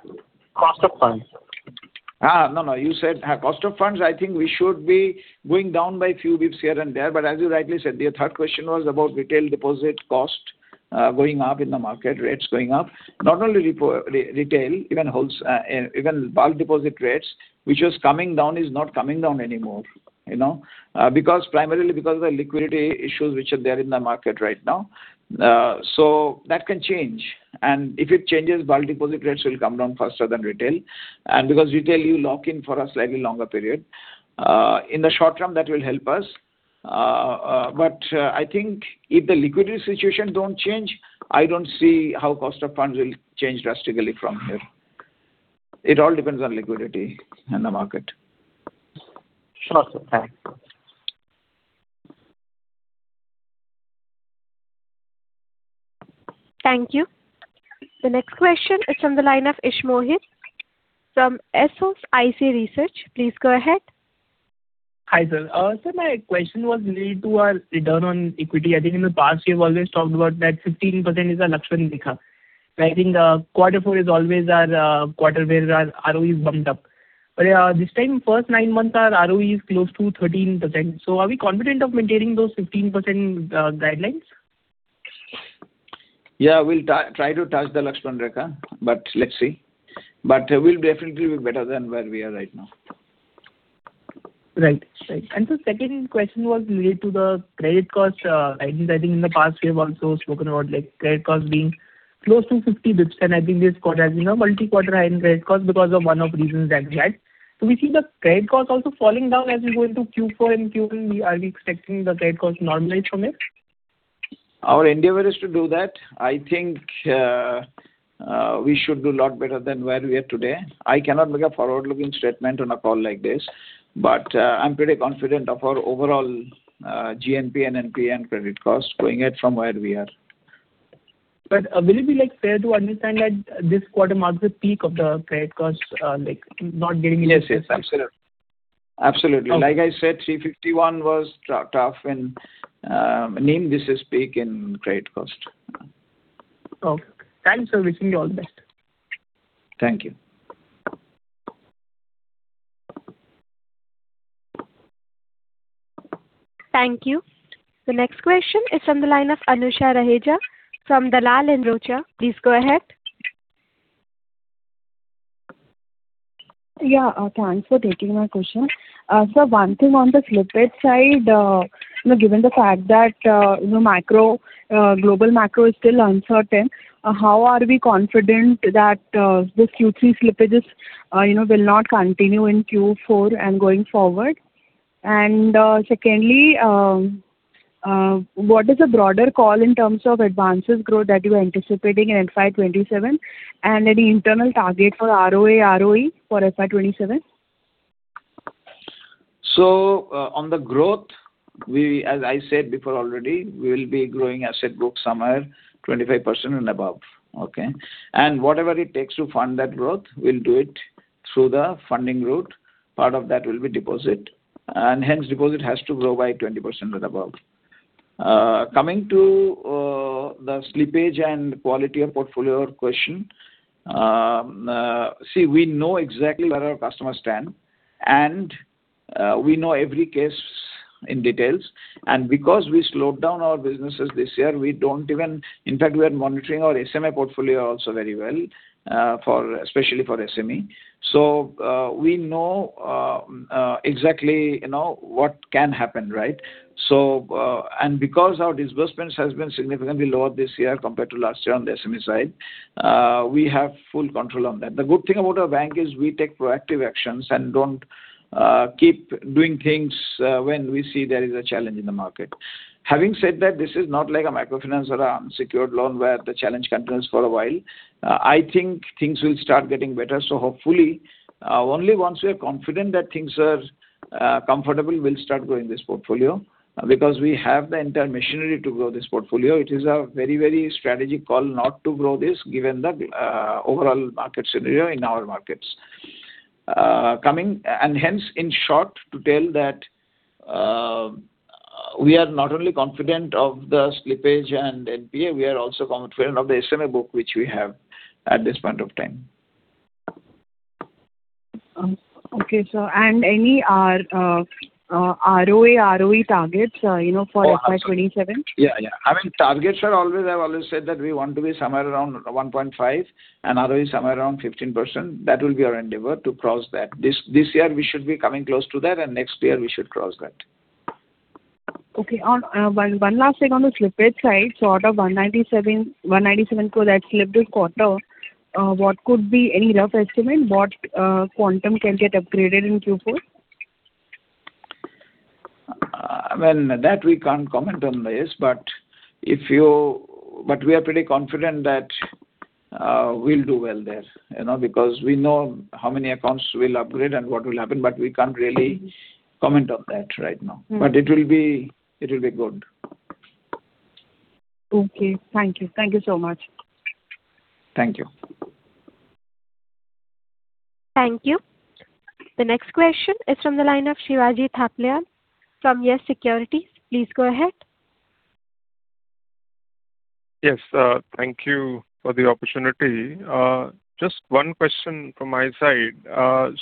Cost of funds. No, no, you said, cost of funds, I think we should be going down by a few bits here and there. But as you rightly said, the third question was about retail deposit cost, going up in the market, rates going up. Not only retail, even bulk deposit rates, which was coming down, is not coming down anymore, you know? Because primarily because of the liquidity issues which are there in the market right now. So that can change, and if it changes, bulk deposit rates will come down faster than retail. And because retail, you lock in for a slightly longer period. In the short term, that will help us. But, I think if the liquidity situation don't change, I don't see how cost of funds will change drastically from here. It all depends on liquidity in the market. Sure, sir. Thank you. Thank you. The next question is from the line of Ishmohit from SOIC Research. Please go ahead. Hi, sir. So my question was related to our return on equity. I think in the past, you've always talked about that 15% is our Lakshman Rekha. I think, quarter four is always our, quarter where our ROE is bumped up. But, this time, first nine months, our ROE is close to 13%. So are we confident of maintaining those 15%, guidelines? Yeah, we'll try to touch the Lakshman Rekha, but let's see. We'll definitely be better than where we are right now. Right. Right. And the second question was related to the credit cost, I think, I think in the past we have also spoken about, like, credit cost being close to 50 bps, and I think this quarter has been a multi-quarter high in credit cost because of one of the reasons that we had. So we see the credit cost also falling down as we go into Q4 and Q4, are we expecting the credit cost to normalize from here? Our endeavor is to do that. I think, we should do a lot better than where we are today. I cannot make a forward-looking statement on a call like this, but, I'm pretty confident of our overall, GNPA and NPA and credit costs going ahead from where we are. But, will it be, like, fair to understand that this quarter marks the peak of the credit costs, like, not getting- Yes, yes, absolutely. Absolutely. Okay. Like I said, 351 was tough, and maybe this is peak in credit cost. Okay. Thanks, sir. Wishing you all the best. Thank you. Thank you. The next question is from the line of Anusha Raheja from Dalal & Broacha. Please go ahead. Yeah, thanks for taking my question. So one thing on the slippage side, you know, given the fact that, you know, macro, global macro is still uncertain, how are we confident that, this Q3 slippages, you know, will not continue in Q4 and going forward? And, secondly, what is the broader call in terms of advances growth that you are anticipating in FY 2027, and any internal target for ROA, ROE for FY 2027? So, on the growth, we, as I said before already, we will be growing asset book somewhere 25% and above. Okay? And whatever it takes to fund that growth, we'll do it through the funding route. Part of that will be deposit, and hence deposit has to grow by 20% and above. Coming to the slippage and quality of portfolio question, see, we know exactly where our customers stand, and we know every case in details. And because we slowed down our businesses this year, we don't even... In fact, we are monitoring our SME portfolio also very well, especially for SME. So, we know exactly, you know, what can happen, right? So, and because our disbursements has been significantly lower this year compared to last year on the SME side, we have full control on that. The good thing about our bank is we take proactive actions and don't keep doing things when we see there is a challenge in the market. Having said that, this is not like a microfinance or unsecured loan where the challenge continues for a while. I think things will start getting better, so hopefully only once we are confident that things are comfortable, we'll start growing this portfolio. Because we have the entire machinery to grow this portfolio. It is a very, very strategic call not to grow this, given the overall market scenario in our markets. In short, to tell that we are not only confident of the slippage and NPA, we are also confident of the SME book, which we have at this point of time. Okay, sir. Any ROA, ROE targets, you know, for FY 2027? Yeah, yeah. I mean, targets are always, I've always said that we want to be somewhere around 1.5, and ROE somewhere around 15%. That will be our endeavor to cross that. This, this year we should be coming close to that, and next year we should cross that. Okay. On one last thing on the slippage side. So out of 197, 197 crore that slipped this quarter, what could be any rough estimate, what quantum can get upgraded in Q4? Well, that we can't comment on this, but if you—but we are pretty confident that we'll do well there, you know, because we know how many accounts will upgrade and what will happen, but we can't really- Mm-hmm. Comment on that right now. Mm. But it will be, it will be good. Okay. Thank you. Thank you so much. Thank you.... Thank you. The next question is from the line of Shivaji Thapliyal from Yes Securities. Please go ahead. Yes, thank you for the opportunity. Just one question from my side.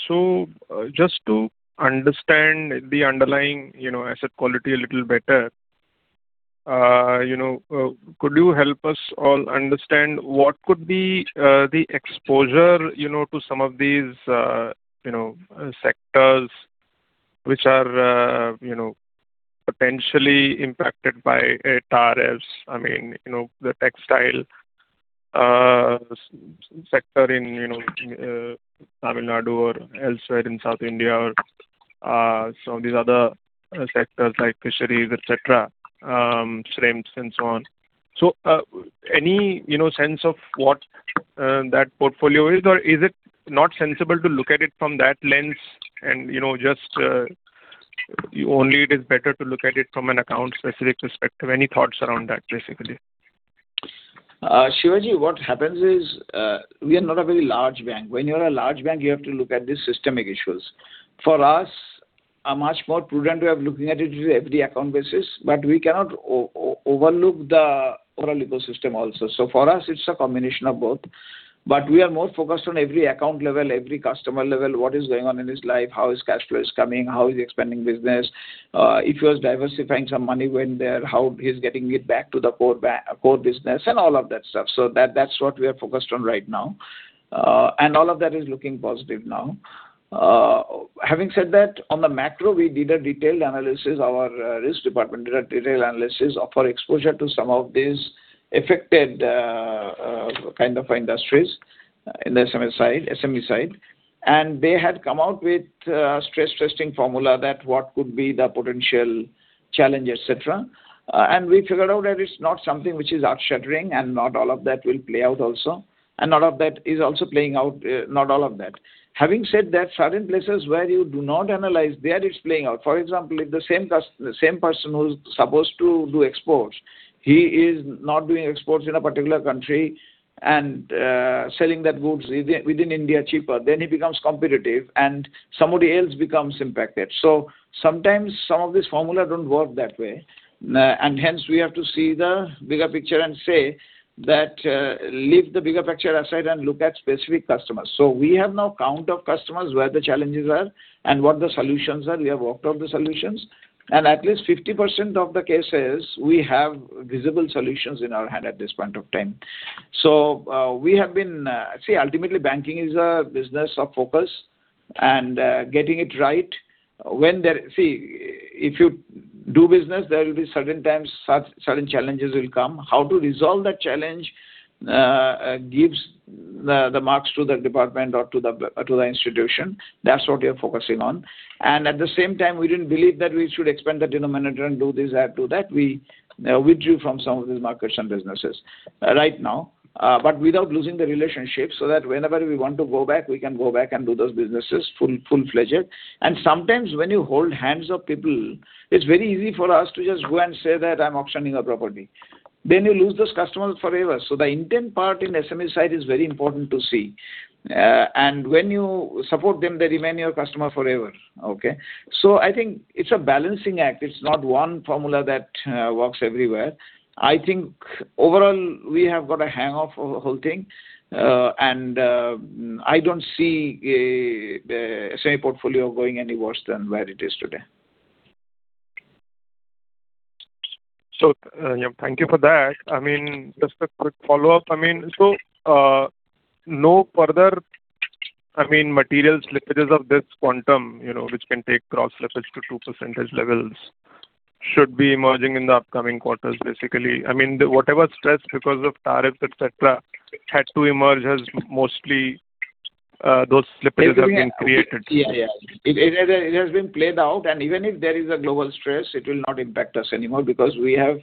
So, just to understand the underlying, you know, asset quality a little better, you know, could you help us all understand what could be the exposure, you know, to some of these, you know, sectors which are, you know, potentially impacted by tariffs? I mean, you know, the textile sector in, you know, Tamil Nadu or elsewhere in South India or some of these other sectors like fisheries, et cetera, shrimps and so on. So, any, you know, sense of what that portfolio is, or is it not sensible to look at it from that lens and, you know, just you only it is better to look at it from an account-specific perspective. Any thoughts around that, basically? Shivaji, what happens is, we are not a very large bank. When you are a large bank, you have to look at the systemic issues. For us, a much more prudent way of looking at it is every account basis, but we cannot overlook the overall ecosystem also. So for us, it's a combination of both. But we are more focused on every account level, every customer level, what is going on in his life, how his cash flow is coming, how he's expanding business, if he was diversifying some money when there, how he's getting it back to the core core business, and all of that stuff. So that, that's what we are focused on right now, and all of that is looking positive now. Having said that, on the macro, we did a detailed analysis. Our risk department did a detailed analysis of our exposure to some of these affected kind of industries in the SME side. They had come out with stress testing formula that what could be the potential challenge, et cetera. We figured out that it's not something which is earth-shattering, and not all of that will play out also, and none of that is also playing out, not all of that. Having said that, certain places where you do not analyze, there it's playing out. For example, if the same person who's supposed to do exports, he is not doing exports in a particular country and selling that goods within India cheaper, then he becomes competitive and somebody else becomes impacted. So sometimes some of these formula don't work that way, and hence we have to see the bigger picture and say that, leave the bigger picture aside and look at specific customers. So we have now count of customers where the challenges are and what the solutions are. We have worked out the solutions, and at least 50% of the cases, we have visible solutions in our hand at this point of time. So, we have been. See, ultimately, banking is a business of focus and, getting it right. See, if you do business, there will be certain times such certain challenges will come. How to resolve that challenge gives the marks to the department or to the institution. That's what we are focusing on. And at the same time, we didn't believe that we should expand the general manager and do this and do that. We withdrew from some of these markets and businesses right now, but without losing the relationship, so that whenever we want to go back, we can go back and do those businesses, full, full-fledged. And sometimes when you hold hands of people, it's very easy for us to just go and say that I'm auctioning a property. Then you lose those customers forever. So the intent part in SME side is very important to see. And when you support them, they remain your customer forever, okay? So I think it's a balancing act. It's not one formula that works everywhere. I think overall, we have got a hang of the whole thing, and I don't see the SME portfolio going any worse than where it is today. So, yeah, thank you for that. I mean, just a quick follow-up. I mean, so, no further, I mean, material slippages of this quantum, you know, which can take gross slippage to 2% levels, should be emerging in the upcoming quarters, basically. I mean, whatever stress because of tariffs, et cetera, had to emerge as mostly, those slippages have been created. Yeah, yeah. It, it has, it has been played out, and even if there is a global stress, it will not impact us anymore because we have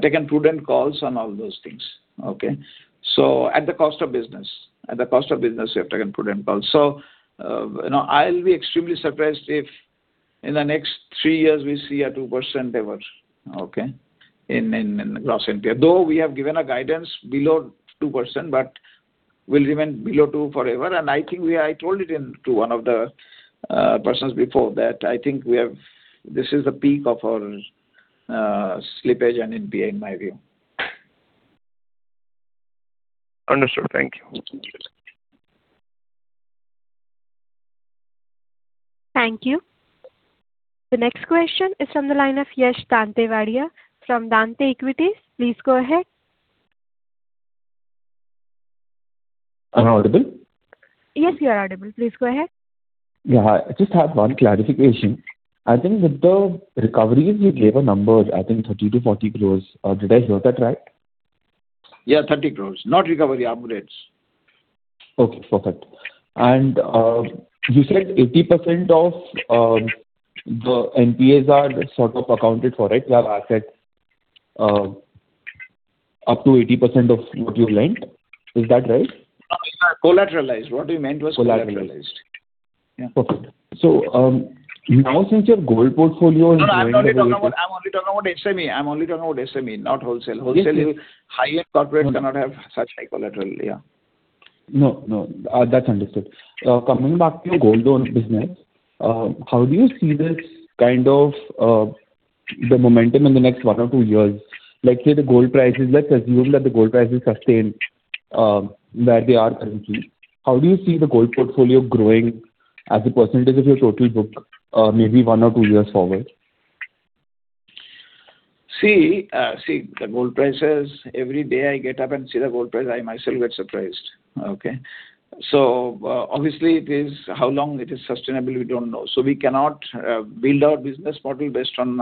taken prudent calls on all those things, okay? So at the cost of business, at the cost of business, we have taken prudent calls. So, you know, I'll be extremely surprised if in the next three years we see a 2% ever, okay, in, in, in the gross NPA. Though we have given a guidance below 2%, but we'll remain below 2% forever. And I think we, I told it in to one of the persons before that, I think we have—this is the peak of our slippage and NPA, in my view. Understood. Thank you. Thank you. The next question is from the line of Yash Dantewadia from Dante Equity Research. Please go ahead. Am I audible? Yes, you are audible. Please go ahead. Yeah, I just have one clarification. I think with the recoveries, you gave a number, I think 30 crore-40 crore. Did I hear that right? Yeah, 30 crore. Not recovery, upgrades. Okay, perfect. And, you said 80% of the NPAs are sort of accounted for, right? You have assets up to 80% of what you've lent. Is that right? Collateralized. What we meant was collateralized.... Yeah, perfect. So, now since your gold portfolio- No, I'm not only talking about, I'm only talking about SME. I'm only talking about SME, not wholesale. Yes. Wholesale is high-end corporate cannot have such high collateral. Yeah. No, no, that's understood. Coming back to your Gold Loan business, how do you see this kind of the momentum in the next one or two years? Like, say, the gold prices, let's assume that the gold prices sustain where they are currently. How do you see the gold portfolio growing as a percentage of your total book, maybe one or two years forward? See, see, the gold prices, every day I get up and see the gold price, I myself get surprised, okay? So obviously, it is how long it is sustainable, we don't know. So we cannot build our business model based on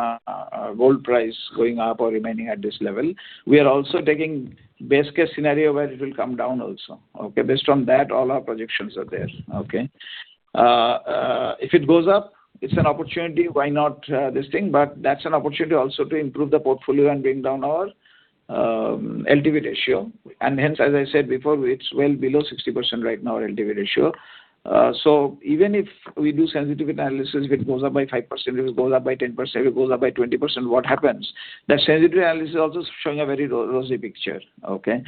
gold price going up or remaining at this level. We are also taking best case scenario where it will come down also, okay? Based on that, all our projections are there, okay? If it goes up, it's an opportunity, why not this thing? But that's an opportunity also to improve the portfolio and bring down our LTV ratio. And hence, as I said before, it's well below 60% right now, our LTV ratio. So even if we do sensitivity analysis, if it goes up by 5%, if it goes up by 10%, if it goes up by 20%, what happens? The sensitivity analysis is also showing a very rosy picture, okay?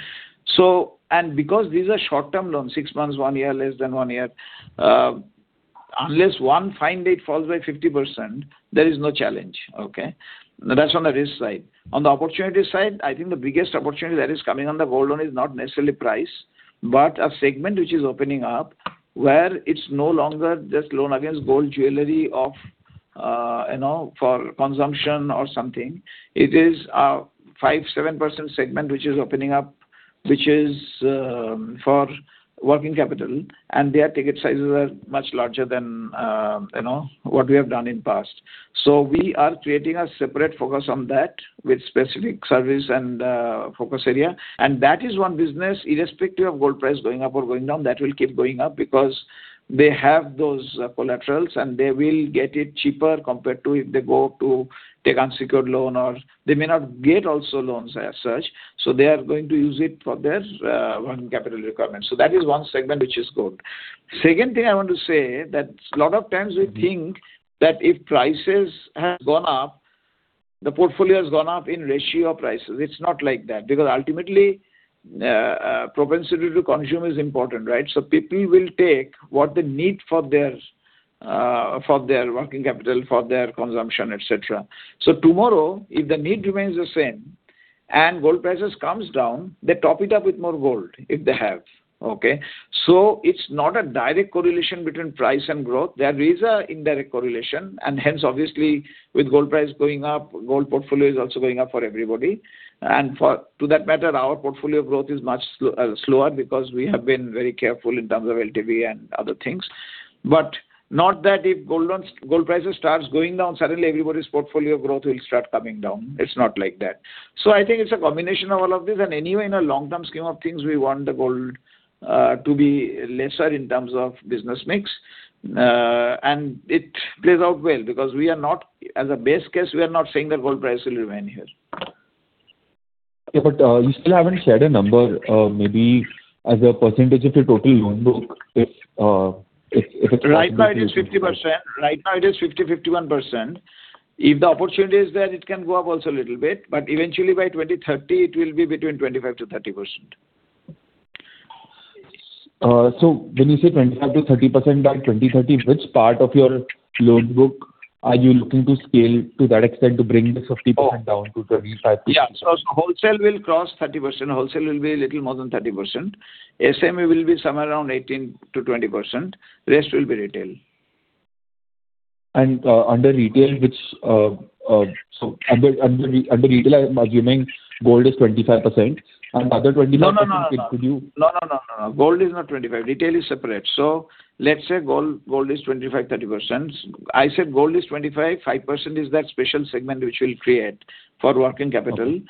So, and because these are short-term loans, six months, one year, less than one year, unless one fine date falls by 50%, there is no challenge, okay? That's on the risk side. On the opportunity side, I think the biggest opportunity that is coming on the Gold Loan is not necessarily price, but a segment which is opening up, where it's no longer just loan against gold jewelry of, you know, for consumption or something. It is a 5.7% segment which is opening up, which is for working capital, and their ticket sizes are much larger than you know what we have done in past. So we are creating a separate focus on that with specific service and focus area. And that is one business, irrespective of gold price going up or going down, that will keep going up because they have those collaterals, and they will get it cheaper compared to if they go to take unsecured loan or they may not get also loans as such, so they are going to use it for their working capital requirements. So that is one segment which is good. Second thing I want to say, that a lot of times we think that if prices have gone up, the portfolio has gone up in ratio of prices. It's not like that, because ultimately, propensity to consume is important, right? So people will take what they need for their, for their working capital, for their consumption, et cetera. So tomorrow, if the need remains the same and gold prices comes down, they top it up with more gold if they have, okay? So it's not a direct correlation between price and growth. There is an indirect correlation, and hence, obviously, with gold price going up, gold portfolio is also going up for everybody. And for to that matter, our portfolio growth is much slower because we have been very careful in terms of LTV and other things. But not that if gold loans, gold prices starts going down, suddenly everybody's portfolio growth will start coming down. It's not like that. So I think it's a combination of all of these. Anyway, in a long-term scheme of things, we want the gold to be lesser in terms of business mix. And it plays out well because we are not... As a base case, we are not saying that gold price will remain here. Yeah, but you still haven't shared a number, maybe as a percentage of your total loan book, if, if, if it's- Right now, it is 50%. Right now, it is 50%-51%. If the opportunity is there, it can go up also a little bit, but eventually by 2030, it will be between 25%-30%. So, when you say 25%-30% by 2030, which part of your loan book are you looking to scale to that extent to bring the 50% down to 25%-30%? Yeah. So wholesale will cross 30%. Wholesale will be a little more than 30%. SME will be somewhere around 18%-20%. Rest will be retail. Under retail, I'm assuming gold is 25%, and the other 25%- No, no, no. -could you? No, no, no, no. Gold is not 25%. Retail is separate. So let's say gold, gold is 25%, 30%. I said gold is 25%, 5% is that special segment which we'll create for working capital- Okay.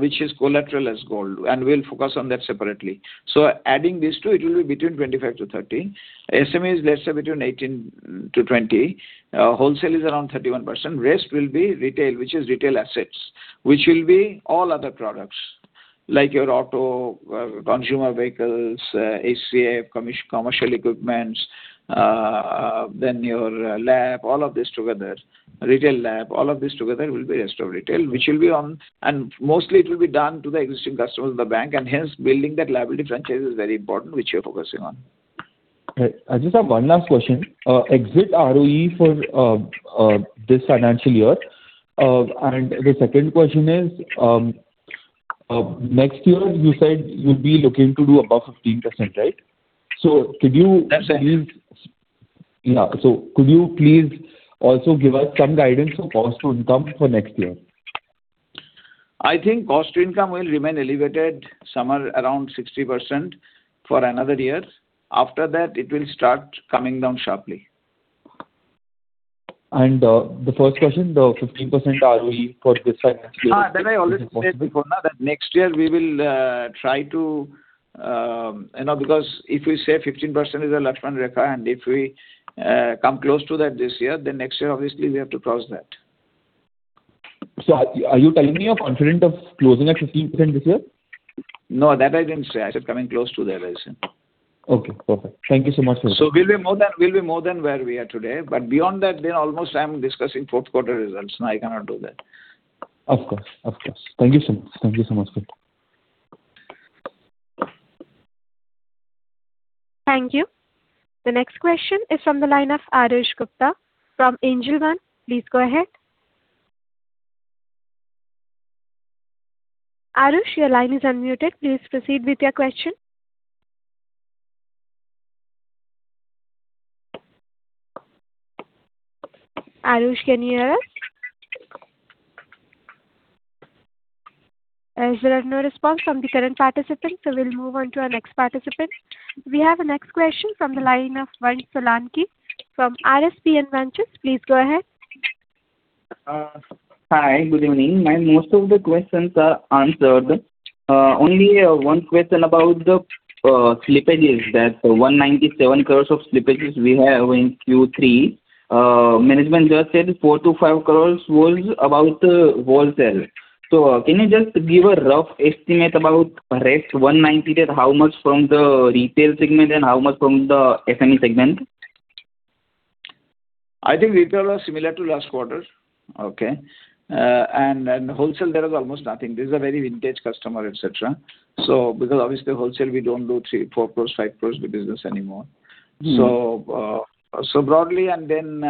Which is collateral as gold, and we'll focus on that separately. So adding these two, it will be between 25-30. SME is, let's say, between 18-20. Wholesale is around 31%. Rest will be retail, which is retail assets, which will be all other products, like your auto, consumer vehicles, HCA, commercial equipments, then your lab, all of this together. Retail lab, all of this together will be rest of retail, which will be on. And mostly it will be done to the existing customers in the bank, and hence, building that liability franchise is very important, which we're focusing on. Right. I just have one last question. Exit ROE for this financial year. And the second question is, next year, you said you'll be looking to do above 15%, right? So could you- Yes, that is- Yeah. So could you please also give us some guidance on cost to income for next year? I think cost to income will remain elevated, somewhere around 60% for another year. After that, it will start coming down sharply. The first question, the 15% ROE for this financial year? That I already said before, that next year we will try to. You know, because if we say 15% is a Lakshman Rekha, and if we come close to that this year, then next year, obviously, we have to cross that.... So are you telling me you're confident of closing at 15% this year? No, that I didn't say. I said coming close to there, I said. Okay, perfect. Thank you so much, sir. So we'll be more than, we'll be more than where we are today, but beyond that, then almost I'm discussing fourth quarter results. No, I cannot do that. Of course. Of course. Thank you so much. Thank you so much, sir. Thank you. The next question is from the line of Arush Gupta from Angel One. Please go ahead. Arush, your line is unmuted. Please proceed with your question. Arush, can you hear us? As there is no response from the current participant, so we'll move on to our next participant. We have the next question from the line of Vansh Solanki from RSPN Ventures. Please go ahead. Hi, good evening. Most of the questions are answered. Only one question about the slippages, that 197 crore of slippages we have in Q3. Management just said 4 crore-5 crore was about the wholesale. So can you just give a rough estimate about the rest, 190, that how much from the retail segment and how much from the SME segment? I think retail are similar to last quarter, okay? And wholesale, there is almost nothing. This is a very vintage customer, et cetera. Because obviously, wholesale, we don't do 3 crore, 4 crore, 5 crore with business anymore. Mm-hmm. So, broadly, and then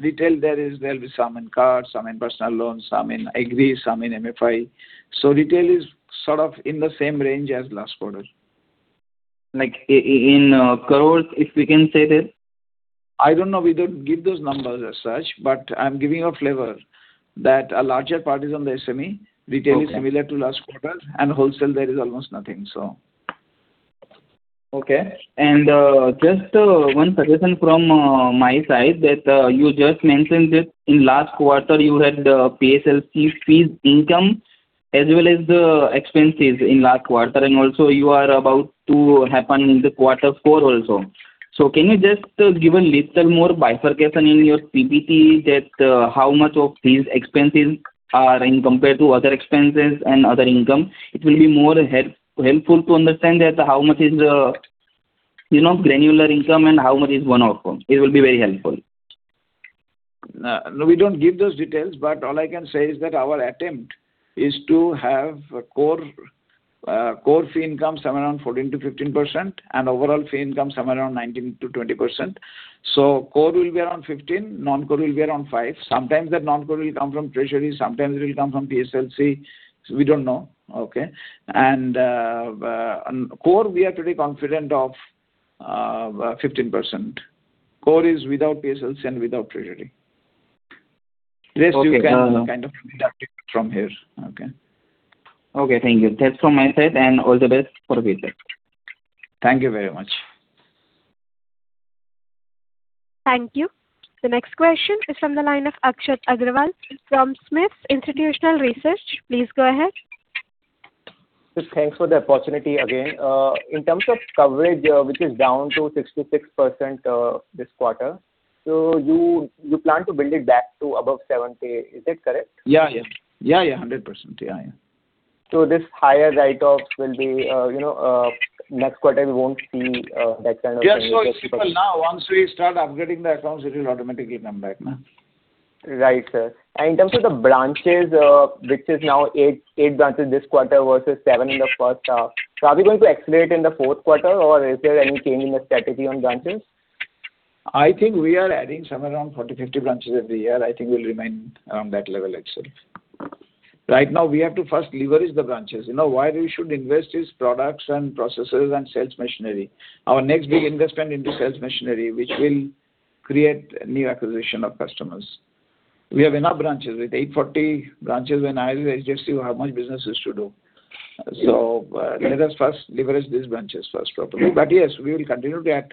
retail, there'll be some in card, some in personal loans, some in agri, some in MFI. So retail is sort of in the same range as last quarter. Like in crores, if we can say that? I don't know. We don't give those numbers as such, but I'm giving you a flavor, that a larger part is on the SME. Okay. Retail is similar to last quarter, and wholesale, there is almost nothing, so. Okay. And just one suggestion from my side, that you just mentioned that in last quarter, you had PSLC fees income as well as the expenses in last quarter, and also you are about to happen in the quarter four also. So can you just give a little more bifurcation in your PPT that how much of these expenses are in compared to other expenses and other income? It will be more helpful to understand that how much is, you know, granular income and how much is one-off. It will be very helpful. No, we don't give those details, but all I can say is that our attempt is to have a core fee income somewhere around 14%-15%, and overall fee income somewhere around 19%-20%. So core will be around 15%, non-core will be around 5%. Sometimes that non-core will come from treasury, sometimes it will come from PSLC. We don't know, okay? On core, we are pretty confident of 15%. Core is without PSLC and without treasury. Okay. Rest you can kind of deduct it from here, okay? Okay, thank you. That's from my side, and all the best for the future. Thank you very much. Thank you. The next question is from the line of Akshat Agrawal from SMIFS Limited. Please go ahead. Sir, thanks for the opportunity again. In terms of coverage, which is down to 66%, this quarter, so you, you plan to build it back to above 70, is it correct? Yeah, yeah. Yeah, yeah, 100%. Yeah, yeah. So this higher write-offs will be, you know, next quarter we won't see, that kind of- Yeah, so it's simple now. Once we start upgrading the accounts, it will automatically come back now. Right, sir. And in terms of the branches, which is now 8, 8 branches this quarter versus 7 in the first half, so are we going to accelerate in the fourth quarter, or is there any change in the strategy on branches? I think we are adding some around 40, 50 branches every year. I think we'll remain around that level itself. Right now, we have to first leverage the branches. You know, where we should invest is products and processes and sales machinery. Our next big investment into sales machinery, which will create new acquisition of customers. We have enough branches. With 840 branches, when I just see how much business is to do. So, let us first leverage these branches first properly. But yes, we will continue to add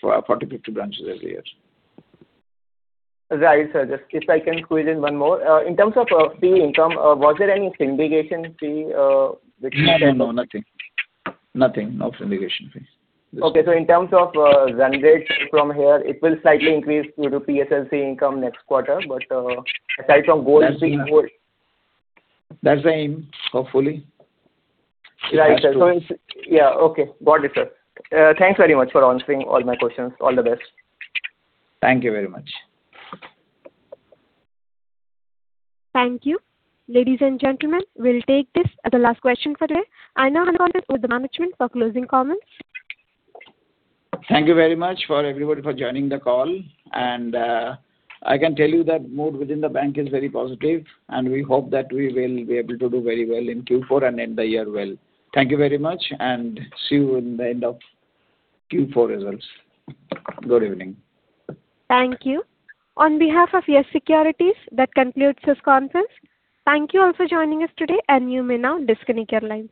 40, 50 branches every year. Right, sir. Just if I can squeeze in one more. In terms of fee income, was there any syndication fee, which- No, no, no, nothing. Nothing, no syndication fees. Okay, so in terms of run rate from here, it will slightly increase due to PSLC income next quarter, but aside from goal- That's the aim, hopefully. Right, sir. It has to. Yeah, okay. Got it, sir. Thanks very much for answering all my questions. All the best. Thank you very much. Thank you. Ladies and gentlemen, we'll take this as the last question for today. I now hand over to the management for closing comments. Thank you very much for everybody for joining the call, and, I can tell you that mood within the bank is very positive, and we hope that we will be able to do very well in Q4 and end the year well. Thank you very much, and see you in the end of Q4 results. Good evening. Thank you. On behalf of Yes Securities, that concludes this conference. Thank you all for joining us today, and you may now disconnect your lines.